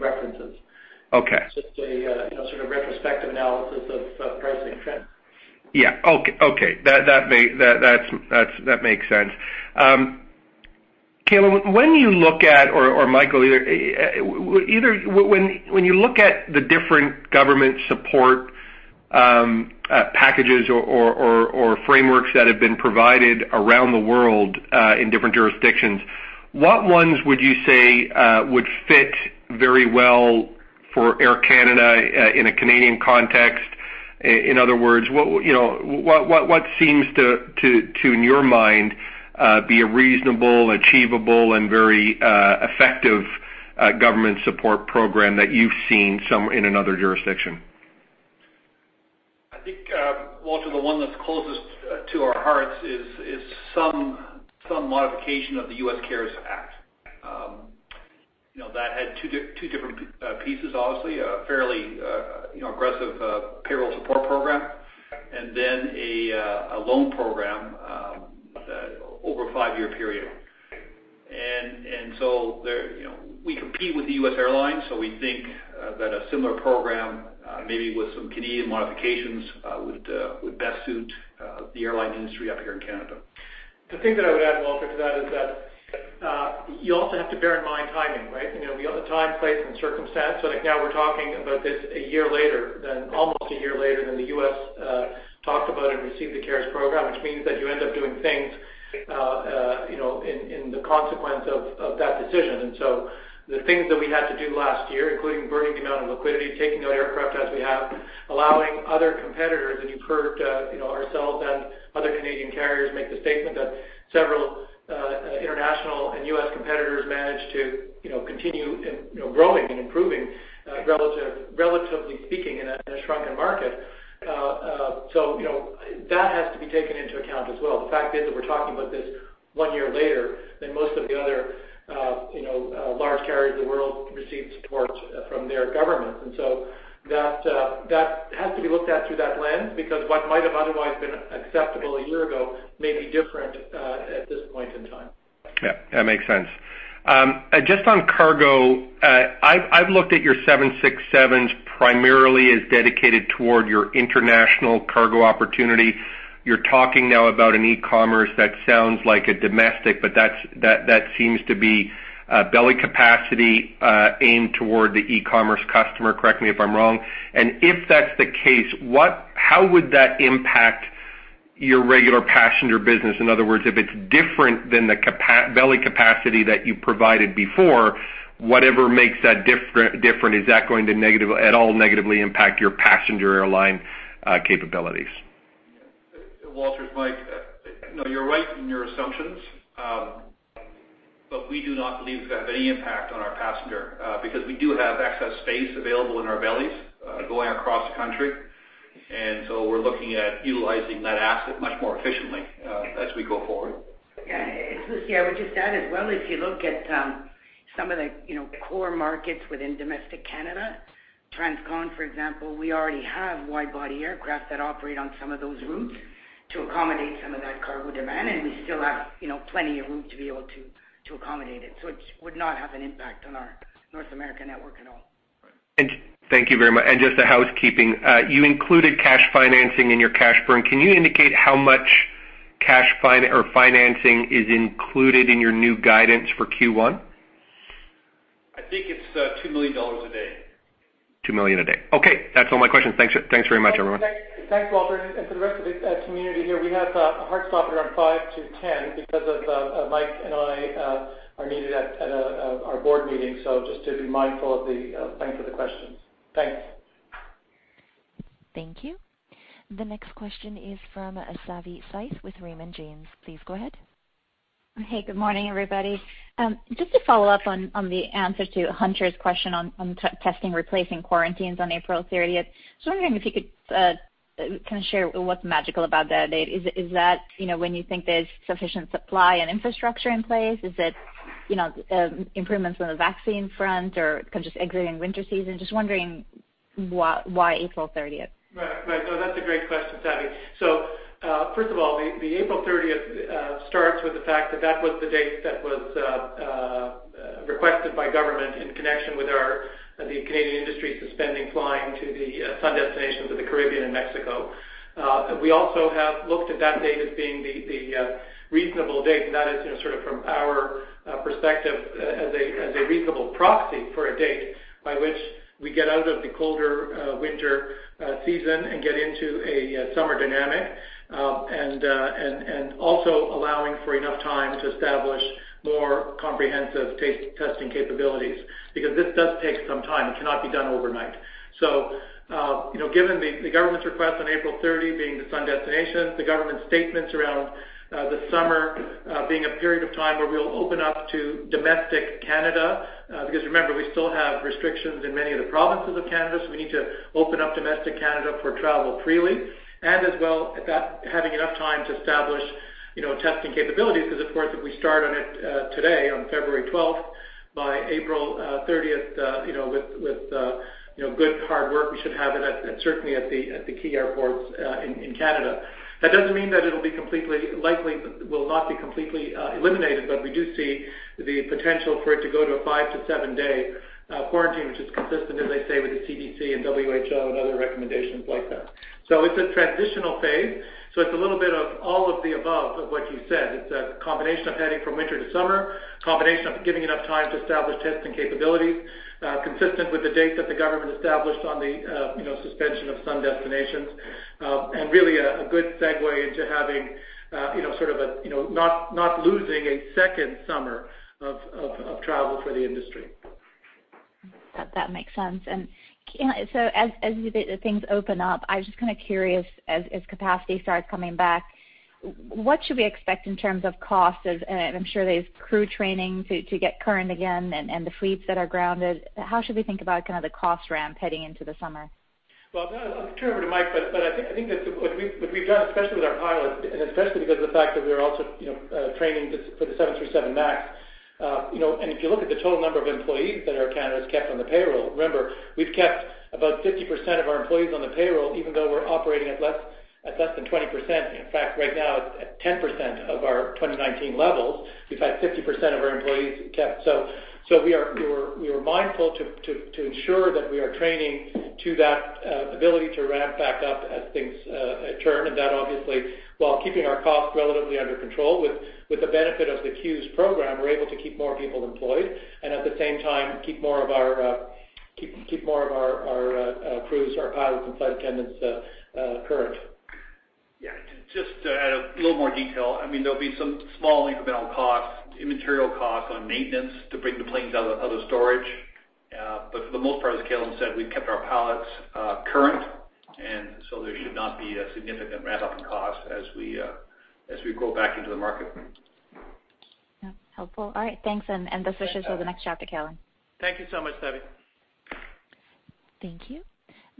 references. Okay. Just a sort of retrospective analysis of pricing trends. Yeah. Okay. That makes sense. Calin, when you look at, or Michael, either, when you look at the different government support packages or frameworks that have been provided around the world in different jurisdictions, what ones would you say would fit very well for Air Canada in a Canadian context? In other words, what seems to, in your mind, be a reasonable, achievable, and very effective government support program that you've seen in another jurisdiction? I think, Walter, the one that's closest to our hearts is some modification of the U.S. CARES Act. That had two different pieces, obviously. A fairly aggressive payroll support program, and then a loan program over a five-year period. We compete with the U.S. airlines, so we think that a similar program, maybe with some Canadian modifications would best suit the airline industry up here in Canada. The thing that I would add, Walter, to that is that you also have to bear in mind timing, right? We have the time, place, and circumstance. Now we're talking about this a year later, almost a year later than the U.S. talked about and received the CARES program, which means that you end up doing things in the consequence of that decision. The things that we had to do last year, including burning the amount of liquidity, taking out aircraft as we have, allowing other competitors, and you've heard ourselves and other Canadian carriers make the statement that several international and U.S. competitors managed to continue growing and improving, relatively speaking, in a shrunken market. That has to be taken into account as well. The fact is that we're talking about this one year later than most of the other large carriers of the world received support from their governments. That has to be looked at through that lens, because what might have otherwise been acceptable a year ago may be different at this point in time. Yeah, that makes sense. Just on cargo, I've looked at your 767s primarily as dedicated toward your international cargo opportunity. You're talking now about an e-commerce that sounds like a domestic, but that seems to be belly capacity aimed toward the e-commerce customer. Correct me if I'm wrong. If that's the case, how would that impact your regular passenger business? In other words, if it's different than the belly capacity that you provided before, whatever makes that different, is that going to at all negatively impact your passenger airline capabilities? Walter, it's Mike. You're right in your assumptions. We do not believe that they have any impact on our passenger because we do have excess space available in our bellies going across the country. We're looking at utilizing that asset much more efficiently as we go forward. Yeah. I would just add as well, if you look at some of the core markets within domestic Canada, transcon, for example, we already have wide-body aircraft that operate on some of those routes to accommodate some of that cargo demand, and we still have plenty of room to be able to accommodate it. It would not have an impact on our North American network at all. Thank you very much. Just a housekeeping. You included cash financing in your cash burn. Can you indicate how much cash or financing is included in your new guidance for Q1? I think it's $2 million a day. $2 million a day. Okay. That's all my questions. Thanks very much, everyone. Thanks, Walter. To the rest of the community here, we have a hard stop around 5-10 because Mike and I are needed at our board meeting, so just to be mindful of the length of the questions. Thanks. Thank you. The next question is from Savanthi Syth with Raymond James. Please go ahead. Hey, good morning, everybody. Just to follow up on the answer to Hunter's question on testing replacing quarantines on April 30th, just wondering if you could kind of share what's magical about that date? Is that when you think there's sufficient supply and infrastructure in place? Is it improvements on the vaccine front or kind of just exiting winter season? Just wondering why April 30th? Right. No, that's a great question, Savi. First of all, the April 30th starts with the fact that was the date that was requested by government in connection with the Canadian industry suspending flying to the sun destinations of the Caribbean and Mexico. We also have looked at that date as being the reasonable date, and that is sort of from our perspective as a reasonable proxy for a date by which we get out of the colder winter season and get into a summer dynamic. Also allowing for enough time to establish more comprehensive testing capabilities. Because this does take some time. It cannot be done overnight. Given the government's request on April 30th being the sun destinations, the government statements around the summer being a period of time where we'll open up to domestic Canada, because remember, we still have restrictions in many of the provinces of Canada, so we need to open up domestic Canada for travel freely. As well, having enough time to establish testing capabilities because, of course, if we start on it today, on February 12th, by April 30th with good hard work, we should have it certainly at the key airports in Canada. That doesn't mean that it likely will not be completely eliminated, but we do see the potential for it to go to a five- to seven-day quarantine, which is consistent, as I say, with the CDC and WHO and other recommendations like that. It's a transitional phase. It's a little bit of all of the above of what you said. It's a combination of heading from winter to summer, combination of giving enough time to establish testing capabilities consistent with the dates that the government established on the suspension of sun destinations. Really a good segue into not losing a second summer of travel for the industry. That makes sense. Calin, as things open up, I was just curious, as capacity starts coming back, what should we expect in terms of costs? I'm sure there's crew training to get current again and the fleets that are grounded. How should we think about the cost ramp heading into the summer? Well, I'll turn it over to Mike, but I think that what we've done, especially with our pilots, and especially because of the fact that we are also training for the 737 MAX. If you look at the total number of employees that Air Canada has kept on the payroll, remember, we've kept about 50% of our employees on the payroll, even though we're operating at less than 20%. In fact, right now it's at 10% of our 2019 levels. We've had 50% of our employees kept. We are mindful to ensure that we are training to that ability to ramp back up as things turn, and that obviously while keeping our costs relatively under control with the benefit of the CEWS program, we're able to keep more people employed, and at the same time, keep more of our crews, our pilots, and flight attendants current. Just to add a little more detail, there will be some small incremental costs, immaterial costs on maintenance to bring the planes out of storage. For the most part, as Calin said, we have kept our pilots current, and so there should not be a significant ramp-up in cost as we go back into the market. Yeah. Helpful. All right, thanks. Best wishes for the next chapter, Calin. Thank you so much, Savi. Thank you.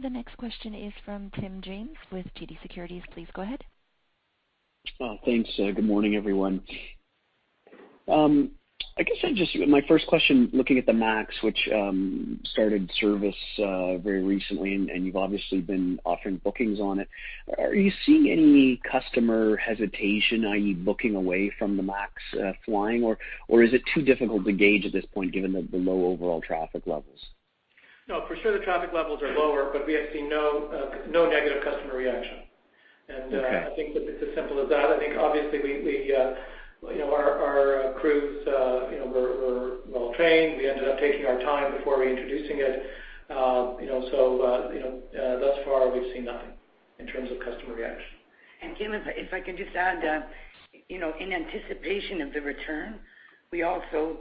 The next question is from Tim James with TD Securities. Please go ahead. Thanks. Good morning, everyone. I guess my first question, looking at the MAX, which started service very recently, and you've obviously been offering bookings on it. Are you seeing any customer hesitation, i.e., booking away from the MAX flying, or is it too difficult to gauge at this point given the low overall traffic levels? No, for sure the traffic levels are lower, but we have seen no negative customer reaction. Okay. I think it's as simple as that. I think obviously our crews were well-trained. We ended up taking our time before reintroducing it. Thus far, we've seen nothing in terms of customer reaction. Calin, if I could just add, in anticipation of the return, we also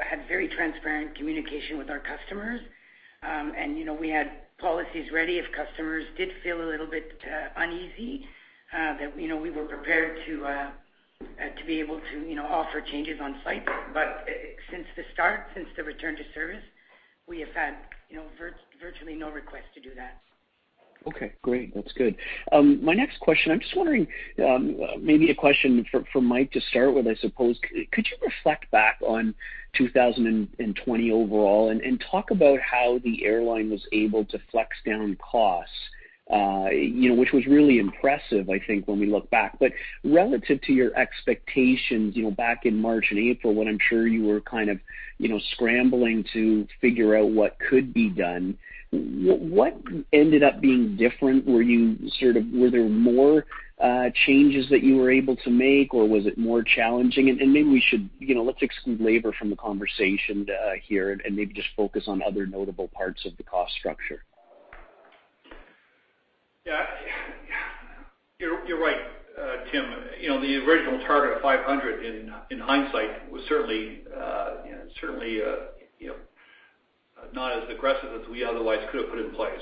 had very transparent communication with our customers. We had policies ready if customers did feel a little bit uneasy, that we were prepared to be able to offer changes on site. Since the start, since the return to service, we have had virtually no requests to do that. Okay, great. That's good. My next question, I'm just wondering, maybe a question for Mike to start with, I suppose. Could you reflect back on 2020 overall and talk about how the airline was able to flex down costs, which was really impressive, I think, when we look back. Relative to your expectations back in March and April, when I'm sure you were scrambling to figure out what could be done, what ended up being different? Were there more changes that you were able to make, or was it more challenging? And maybe let's exclude labor from the conversation here and maybe just focus on other notable parts of the cost structure. You're right, Tim. The original target of 500 in hindsight was certainly not as aggressive as we otherwise could have put in place.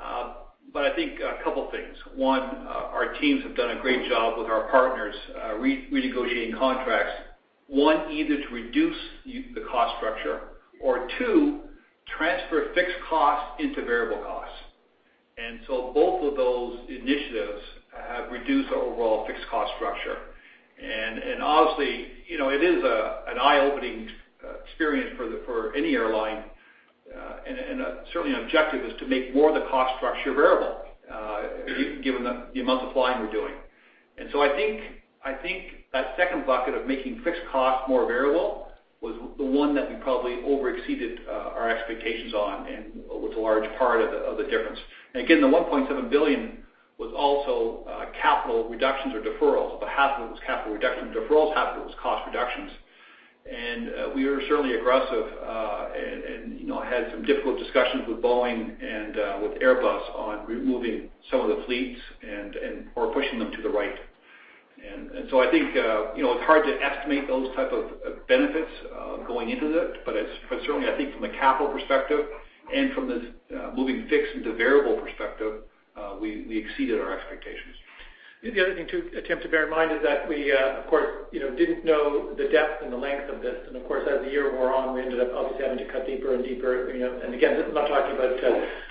I think a couple things. One, our teams have done a great job with our partners renegotiating contracts. One, either to reduce the cost structure or two, transfer fixed costs into variable costs. Both of those initiatives have reduced our overall fixed cost structure. Honestly, it is an eye-opening experience for any airline, and certainly an objective is to make more of the cost structure variable given the amount of flying we're doing. I think that second bucket of making fixed costs more variable was the one that we probably over exceeded our expectations on and was a large part of the difference. Again, the 1.7 billion was also capital reductions or deferrals. About half of it was capital reduction deferrals, half of it was cost reductions. We were certainly aggressive and had some difficult discussions with Boeing and with Airbus on removing some of the fleets or pushing them to the right. I think it's hard to estimate those type of benefits going into it. Certainly, I think from a capital perspective and from the moving fixed into variable perspective, we exceeded our expectations. I think the other thing too, Tim, to bear in mind is that we, of course, didn't know the depth and the length of this. Of course, as the year wore on, we ended up obviously having to cut deeper and deeper. Again, this is not talking about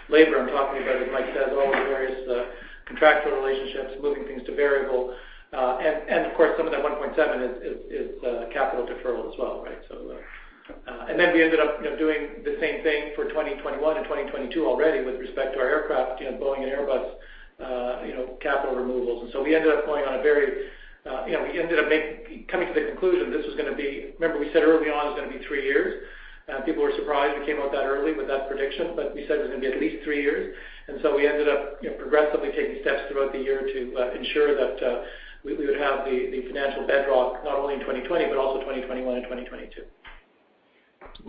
labor, I'm talking about, as Mike says, all the various contractual relationships, moving things to variable. Of course, some of that 1.7 is capital deferral as well, right? Then we ended up doing the same thing for 2021 and 2022 already with respect to our aircraft, Boeing and Airbus capital removals. We ended up coming to the conclusion this was going to be, remember we said early on it was going to be three years, and people were surprised we came out that early with that prediction, but we said it was going to be at least three years. We ended up progressively taking steps throughout the year to ensure that we would have the financial bedrock not only in 2020, but also 2021 and 2022.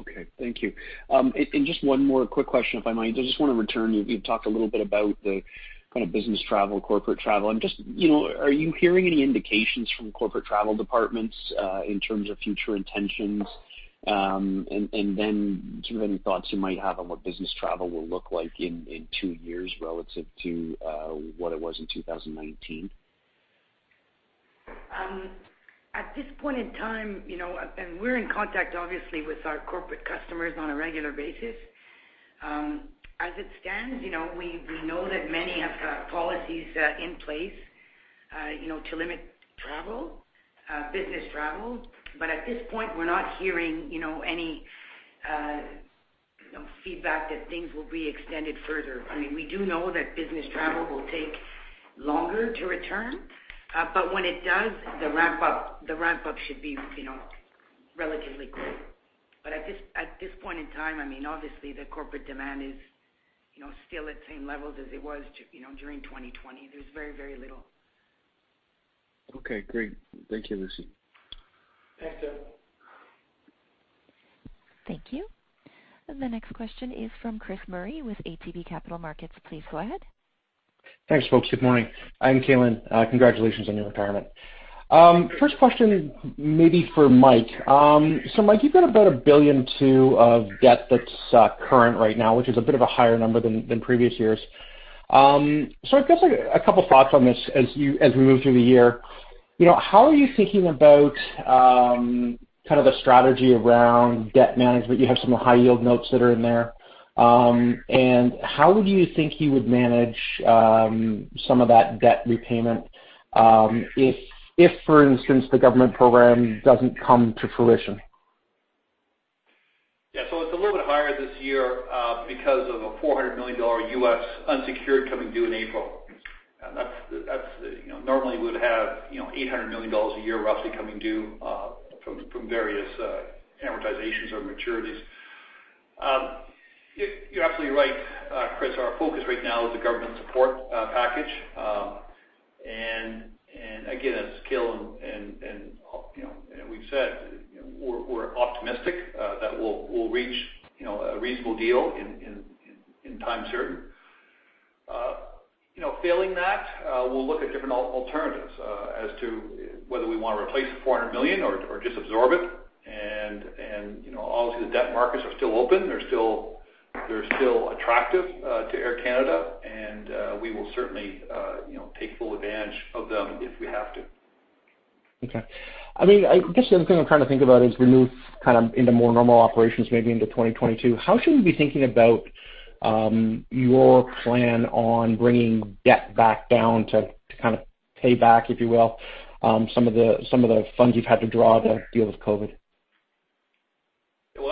Okay. Thank you. Just one more quick question, if I might. I just want to return. You've talked a little bit about the business travel, corporate travel. Are you hearing any indications from corporate travel departments in terms of future intentions? Do you have any thoughts you might have on what business travel will look like in two years relative to what it was in 2019? At this point in time, and we're in contact obviously with our corporate customers on a regular basis. At this point, we're not hearing any feedback that things will be extended further. We do know that business travel will take longer to return. When it does, the ramp up should be relatively quick. At this point in time, obviously, the corporate demand is still at the same levels as it was during 2020. There's very little. Okay, great. Thank you, Lucie. Thanks, Tim. Thank you. The next question is from Chris Murray with ATB Capital Markets. Please go ahead. Thanks, folks. Good morning. Calin, congratulations on your retirement. First question, maybe for Mike. Mike, you've got about 1 billion of debt that's current right now, which is a bit of a higher number than previous years. I guess a couple of thoughts on this as we move through the year. How are you thinking about the strategy around debt management? You have some high yield notes that are in there. How would you think you would manage some of that debt repayment, if for instance, the government program doesn't come to fruition? It's a little bit higher this year because of a $400 million unsecured coming due in April. Normally we'd have $800 million a year roughly coming due from various amortizations or maturities. You're absolutely right, Chris. Our focus right now is the government support package. Again, as Calin and we've said, we're optimistic that we'll reach a reasonable deal in time certain. Failing that, we'll look at different alternatives as to whether we want to replace the $400 million or just absorb it, obviously the debt markets are still open. They're still attractive to Air Canada and we will certainly take full advantage of them if we have to. Okay. I guess the other thing I'm trying to think about is we move into more normal operations maybe into 2022. How should we be thinking about your plan on bringing debt back down to kind of pay back, if you will, some of the funds you've had to draw to deal with COVID? Of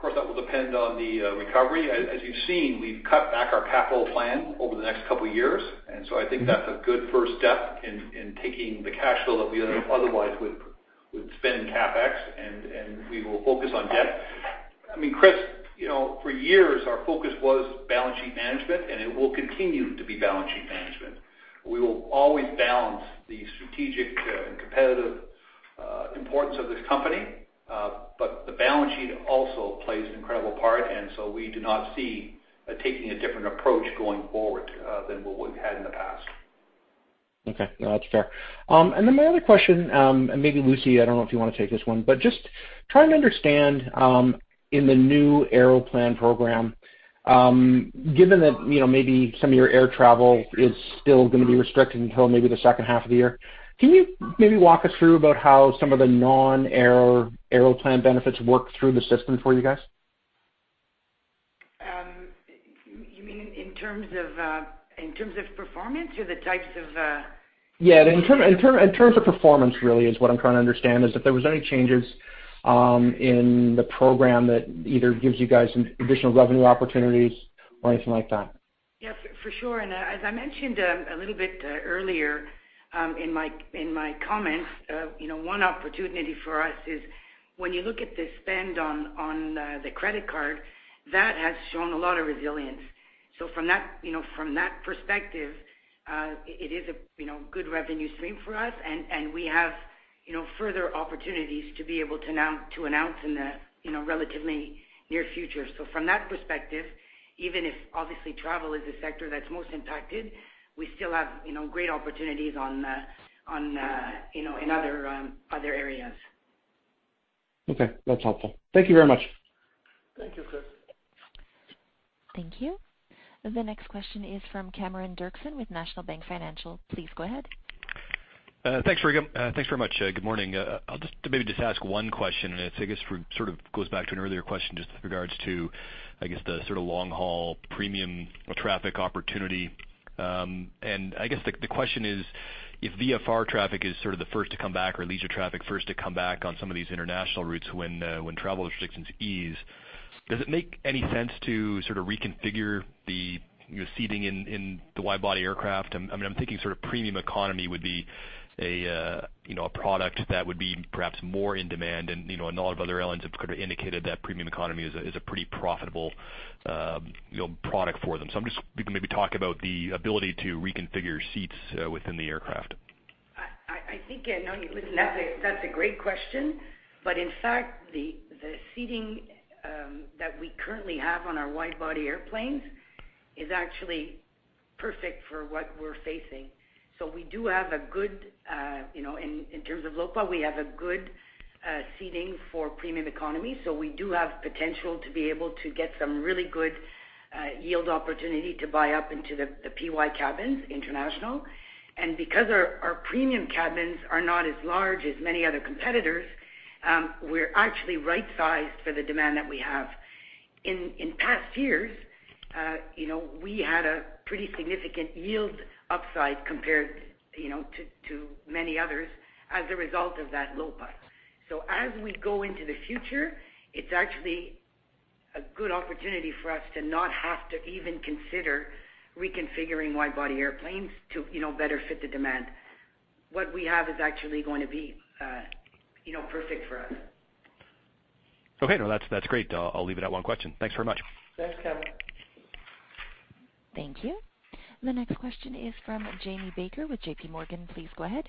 course, that will depend on the recovery. As you've seen, we've cut back our capital plan over the next couple of years, and so I think that's a good first step in taking the cash flow that we otherwise would spend CapEx and we will focus on debt. Chris, for years our focus was balance sheet management, and it will continue to be balance sheet management. We will always balance the strategic and competitive importance of this company. The balance sheet also plays an incredible part, and so we do not see taking a different approach going forward than what we've had in the past. Okay. No, that's fair. My other question, and maybe Lucie, I don't know if you want to take this one, but just trying to understand in the new Aeroplan program given that maybe some of your air travel is still going to be restricted until maybe the second half of the year. Can you maybe walk us through about how some of the non-Aeroplan benefits work through the system for you guys? You mean in terms of performance or? Yeah. In terms of performance really is what I'm trying to understand, is if there was any changes in the program that either gives you guys some additional revenue opportunities or anything like that. Yes, for sure. As I mentioned a little bit earlier in my comments, one opportunity for us is when you look at the spend on the credit card, that has shown a lot of resilience. From that perspective, it is a good revenue stream for us and we have further opportunities to be able to announce in the relatively near future. From that perspective, even if obviously travel is the sector that's most impacted, we still have great opportunities in other areas. Okay. That's helpful. Thank you very much. Thank you, Chris. Thank you. The next question is from Cameron Doerksen with National Bank Financial. Please go ahead. Thanks very much. Good morning. I'll just ask one question. It sort of goes back to an earlier question with regards to the long-haul premium traffic opportunity. The question is, if VFR traffic is sort of the first to come back or leisure traffic first to come back on some of these international routes when travel restrictions ease, does it make any sense to sort of reconfigure the seating in the wide-body aircraft? I'm thinking premium economy would be a product that would be perhaps more in demand and a lot of other airlines have indicated that premium economy is a pretty profitable product for them. Maybe talk about the ability to reconfigure seats within the aircraft. That's a great question. In fact, the seating that we currently have on our wide body airplanes is actually Perfect for what we're facing. We do have a good, in terms of LOPA, we have a good seating for premium economy. We do have potential to be able to get some really good yield opportunity to buy up into the PY cabins international. Because our premium cabins are not as large as many other competitors, we're actually right-sized for the demand that we have. In past years, we had a pretty significant yield upside compared to many others as a result of that LOPA. As we go into the future, it's actually a good opportunity for us to not have to even consider reconfiguring wide-body airplanes to better fit the demand. What we have is actually going to be perfect for us. Okay. No, that's great. I'll leave it at one question. Thanks very much. Thanks, Kevin. Thank you. The next question is from Jamie Baker with JPMorgan. Please go ahead.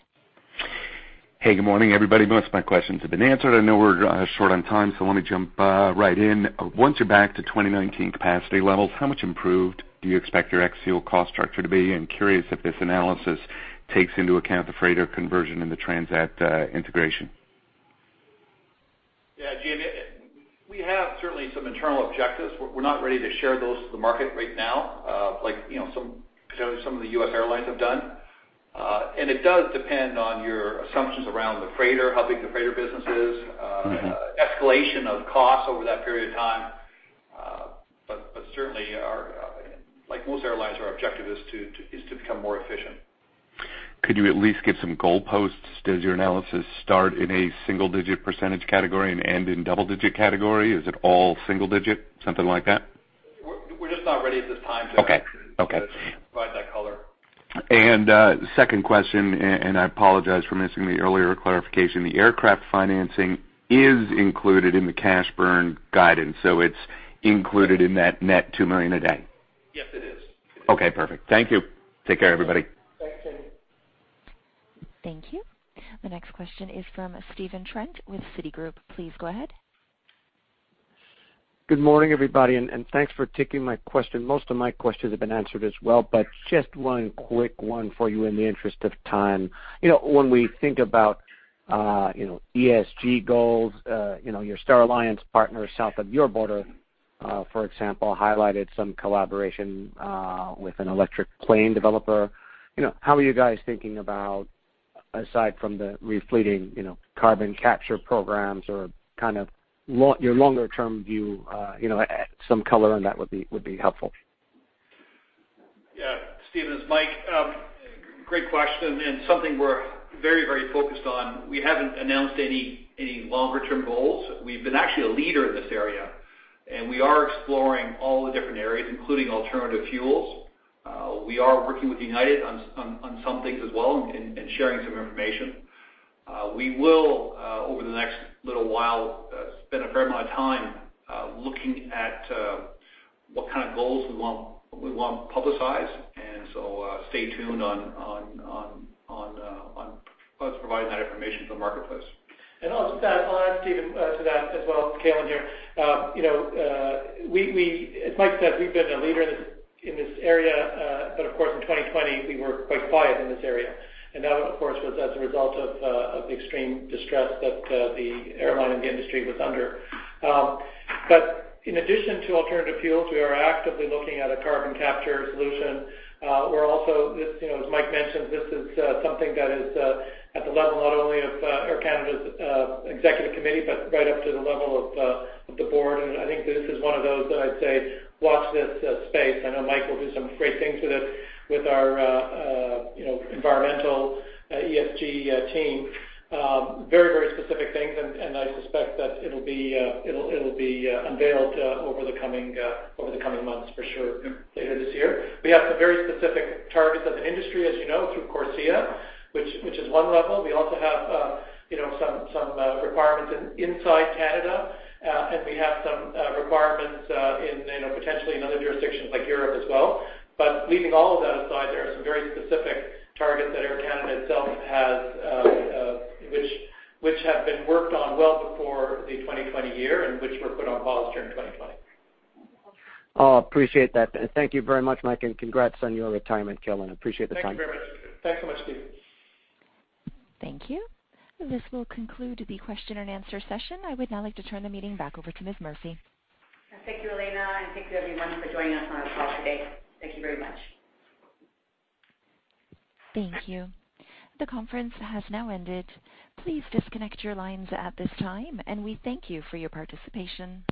Hey, good morning, everybody. Most of my questions have been answered. I know we're short on time, so let me jump right in. Once you're back to 2019 capacity levels, how much improved do you expect your XCO cost structure to be? I'm curious if this analysis takes into account the freighter conversion and the Transat integration. Yeah, Jamie, we have certainly some internal objectives. We're not ready to share those to the market right now like some of the U.S. airlines have done. It does depend on your assumptions around the freighter, how big the freighter business is escalation of costs over that period of time. Certainly like most airlines, our objective is to become more efficient. Could you at least give some goalposts? Does your analysis start in a single digit percentage category and end in double-digit category? Is it all single digit, something like that? We're just not ready at this time. Okay provide that color. Second question, and I apologize for missing the earlier clarification. The aircraft financing is included in the cash burn guidance, so it's included in that net 2 million a day? Yes, it is. Okay, perfect. Thank you. Take care, everybody. Thank you. The next question is from Stephen Trent with Citigroup. Please go ahead. Good morning, everybody, and thanks for taking my question. Most of my questions have been answered as well, but just one quick one for you in the interest of time. When we think about ESG goals, your Star Alliance partners south of your border, for example, highlighted some collaboration with an electric plane developer. How are you guys thinking about, aside from the repleting carbon capture programs or your longer-term view some color on that would be helpful? Yeah. Stephen, it's Mike. Great question and something we're very focused on. We haven't announced any longer-term goals. We've been actually a leader in this area, and we are exploring all the different areas, including alternative fuels. We are working with United on some things as well and sharing some information. We will over the next little while, spend a fair amount of time looking at what kind of goals we want to publicize and so stay tuned on us providing that information to the marketplace. I'll just add, Stephen, to that as well. Calin here. As Mike said, we've been a leader in this area. Of course, in 2020, we were quite quiet in this area. That, of course, was as a result of the extreme distress that the airline and the industry was under. In addition to alternative fuels, we are actively looking at a carbon capture solution. As Mike mentioned, this is something that is at the level not only of Air Canada's executive committee, but right up to the level of the board. I think this is one of those that I'd say watch this space. I know Mike will do some great things with it, with our environmental ESG team. Very specific things, and I suspect that it'll be unveiled over the coming months for sure later this year. We have some very specific targets as an industry, as you know, through CORSIA, which is one level. We also have some requirements inside Canada. We have some requirements potentially in other jurisdictions like Europe as well. Leaving all of that aside, there are some very specific targets that Air Canada itself has which have been worked on well before the 2020 year and which were put on pause during 2020. Oh, appreciate that. Thank you very much, Mike, and congrats on your retirement, Calin. Appreciate the time. Thanks very much. Thanks so much, Stephen. Thank you. This will conclude the question and answer session. I would now like to turn the meeting back over to Ms. Murphy. Thank you, Elena, and thank you, everyone, for joining us on the call today. Thank you very much. Thank you. The conference has now ended. Please disconnect your lines at this time. We thank you for your participation.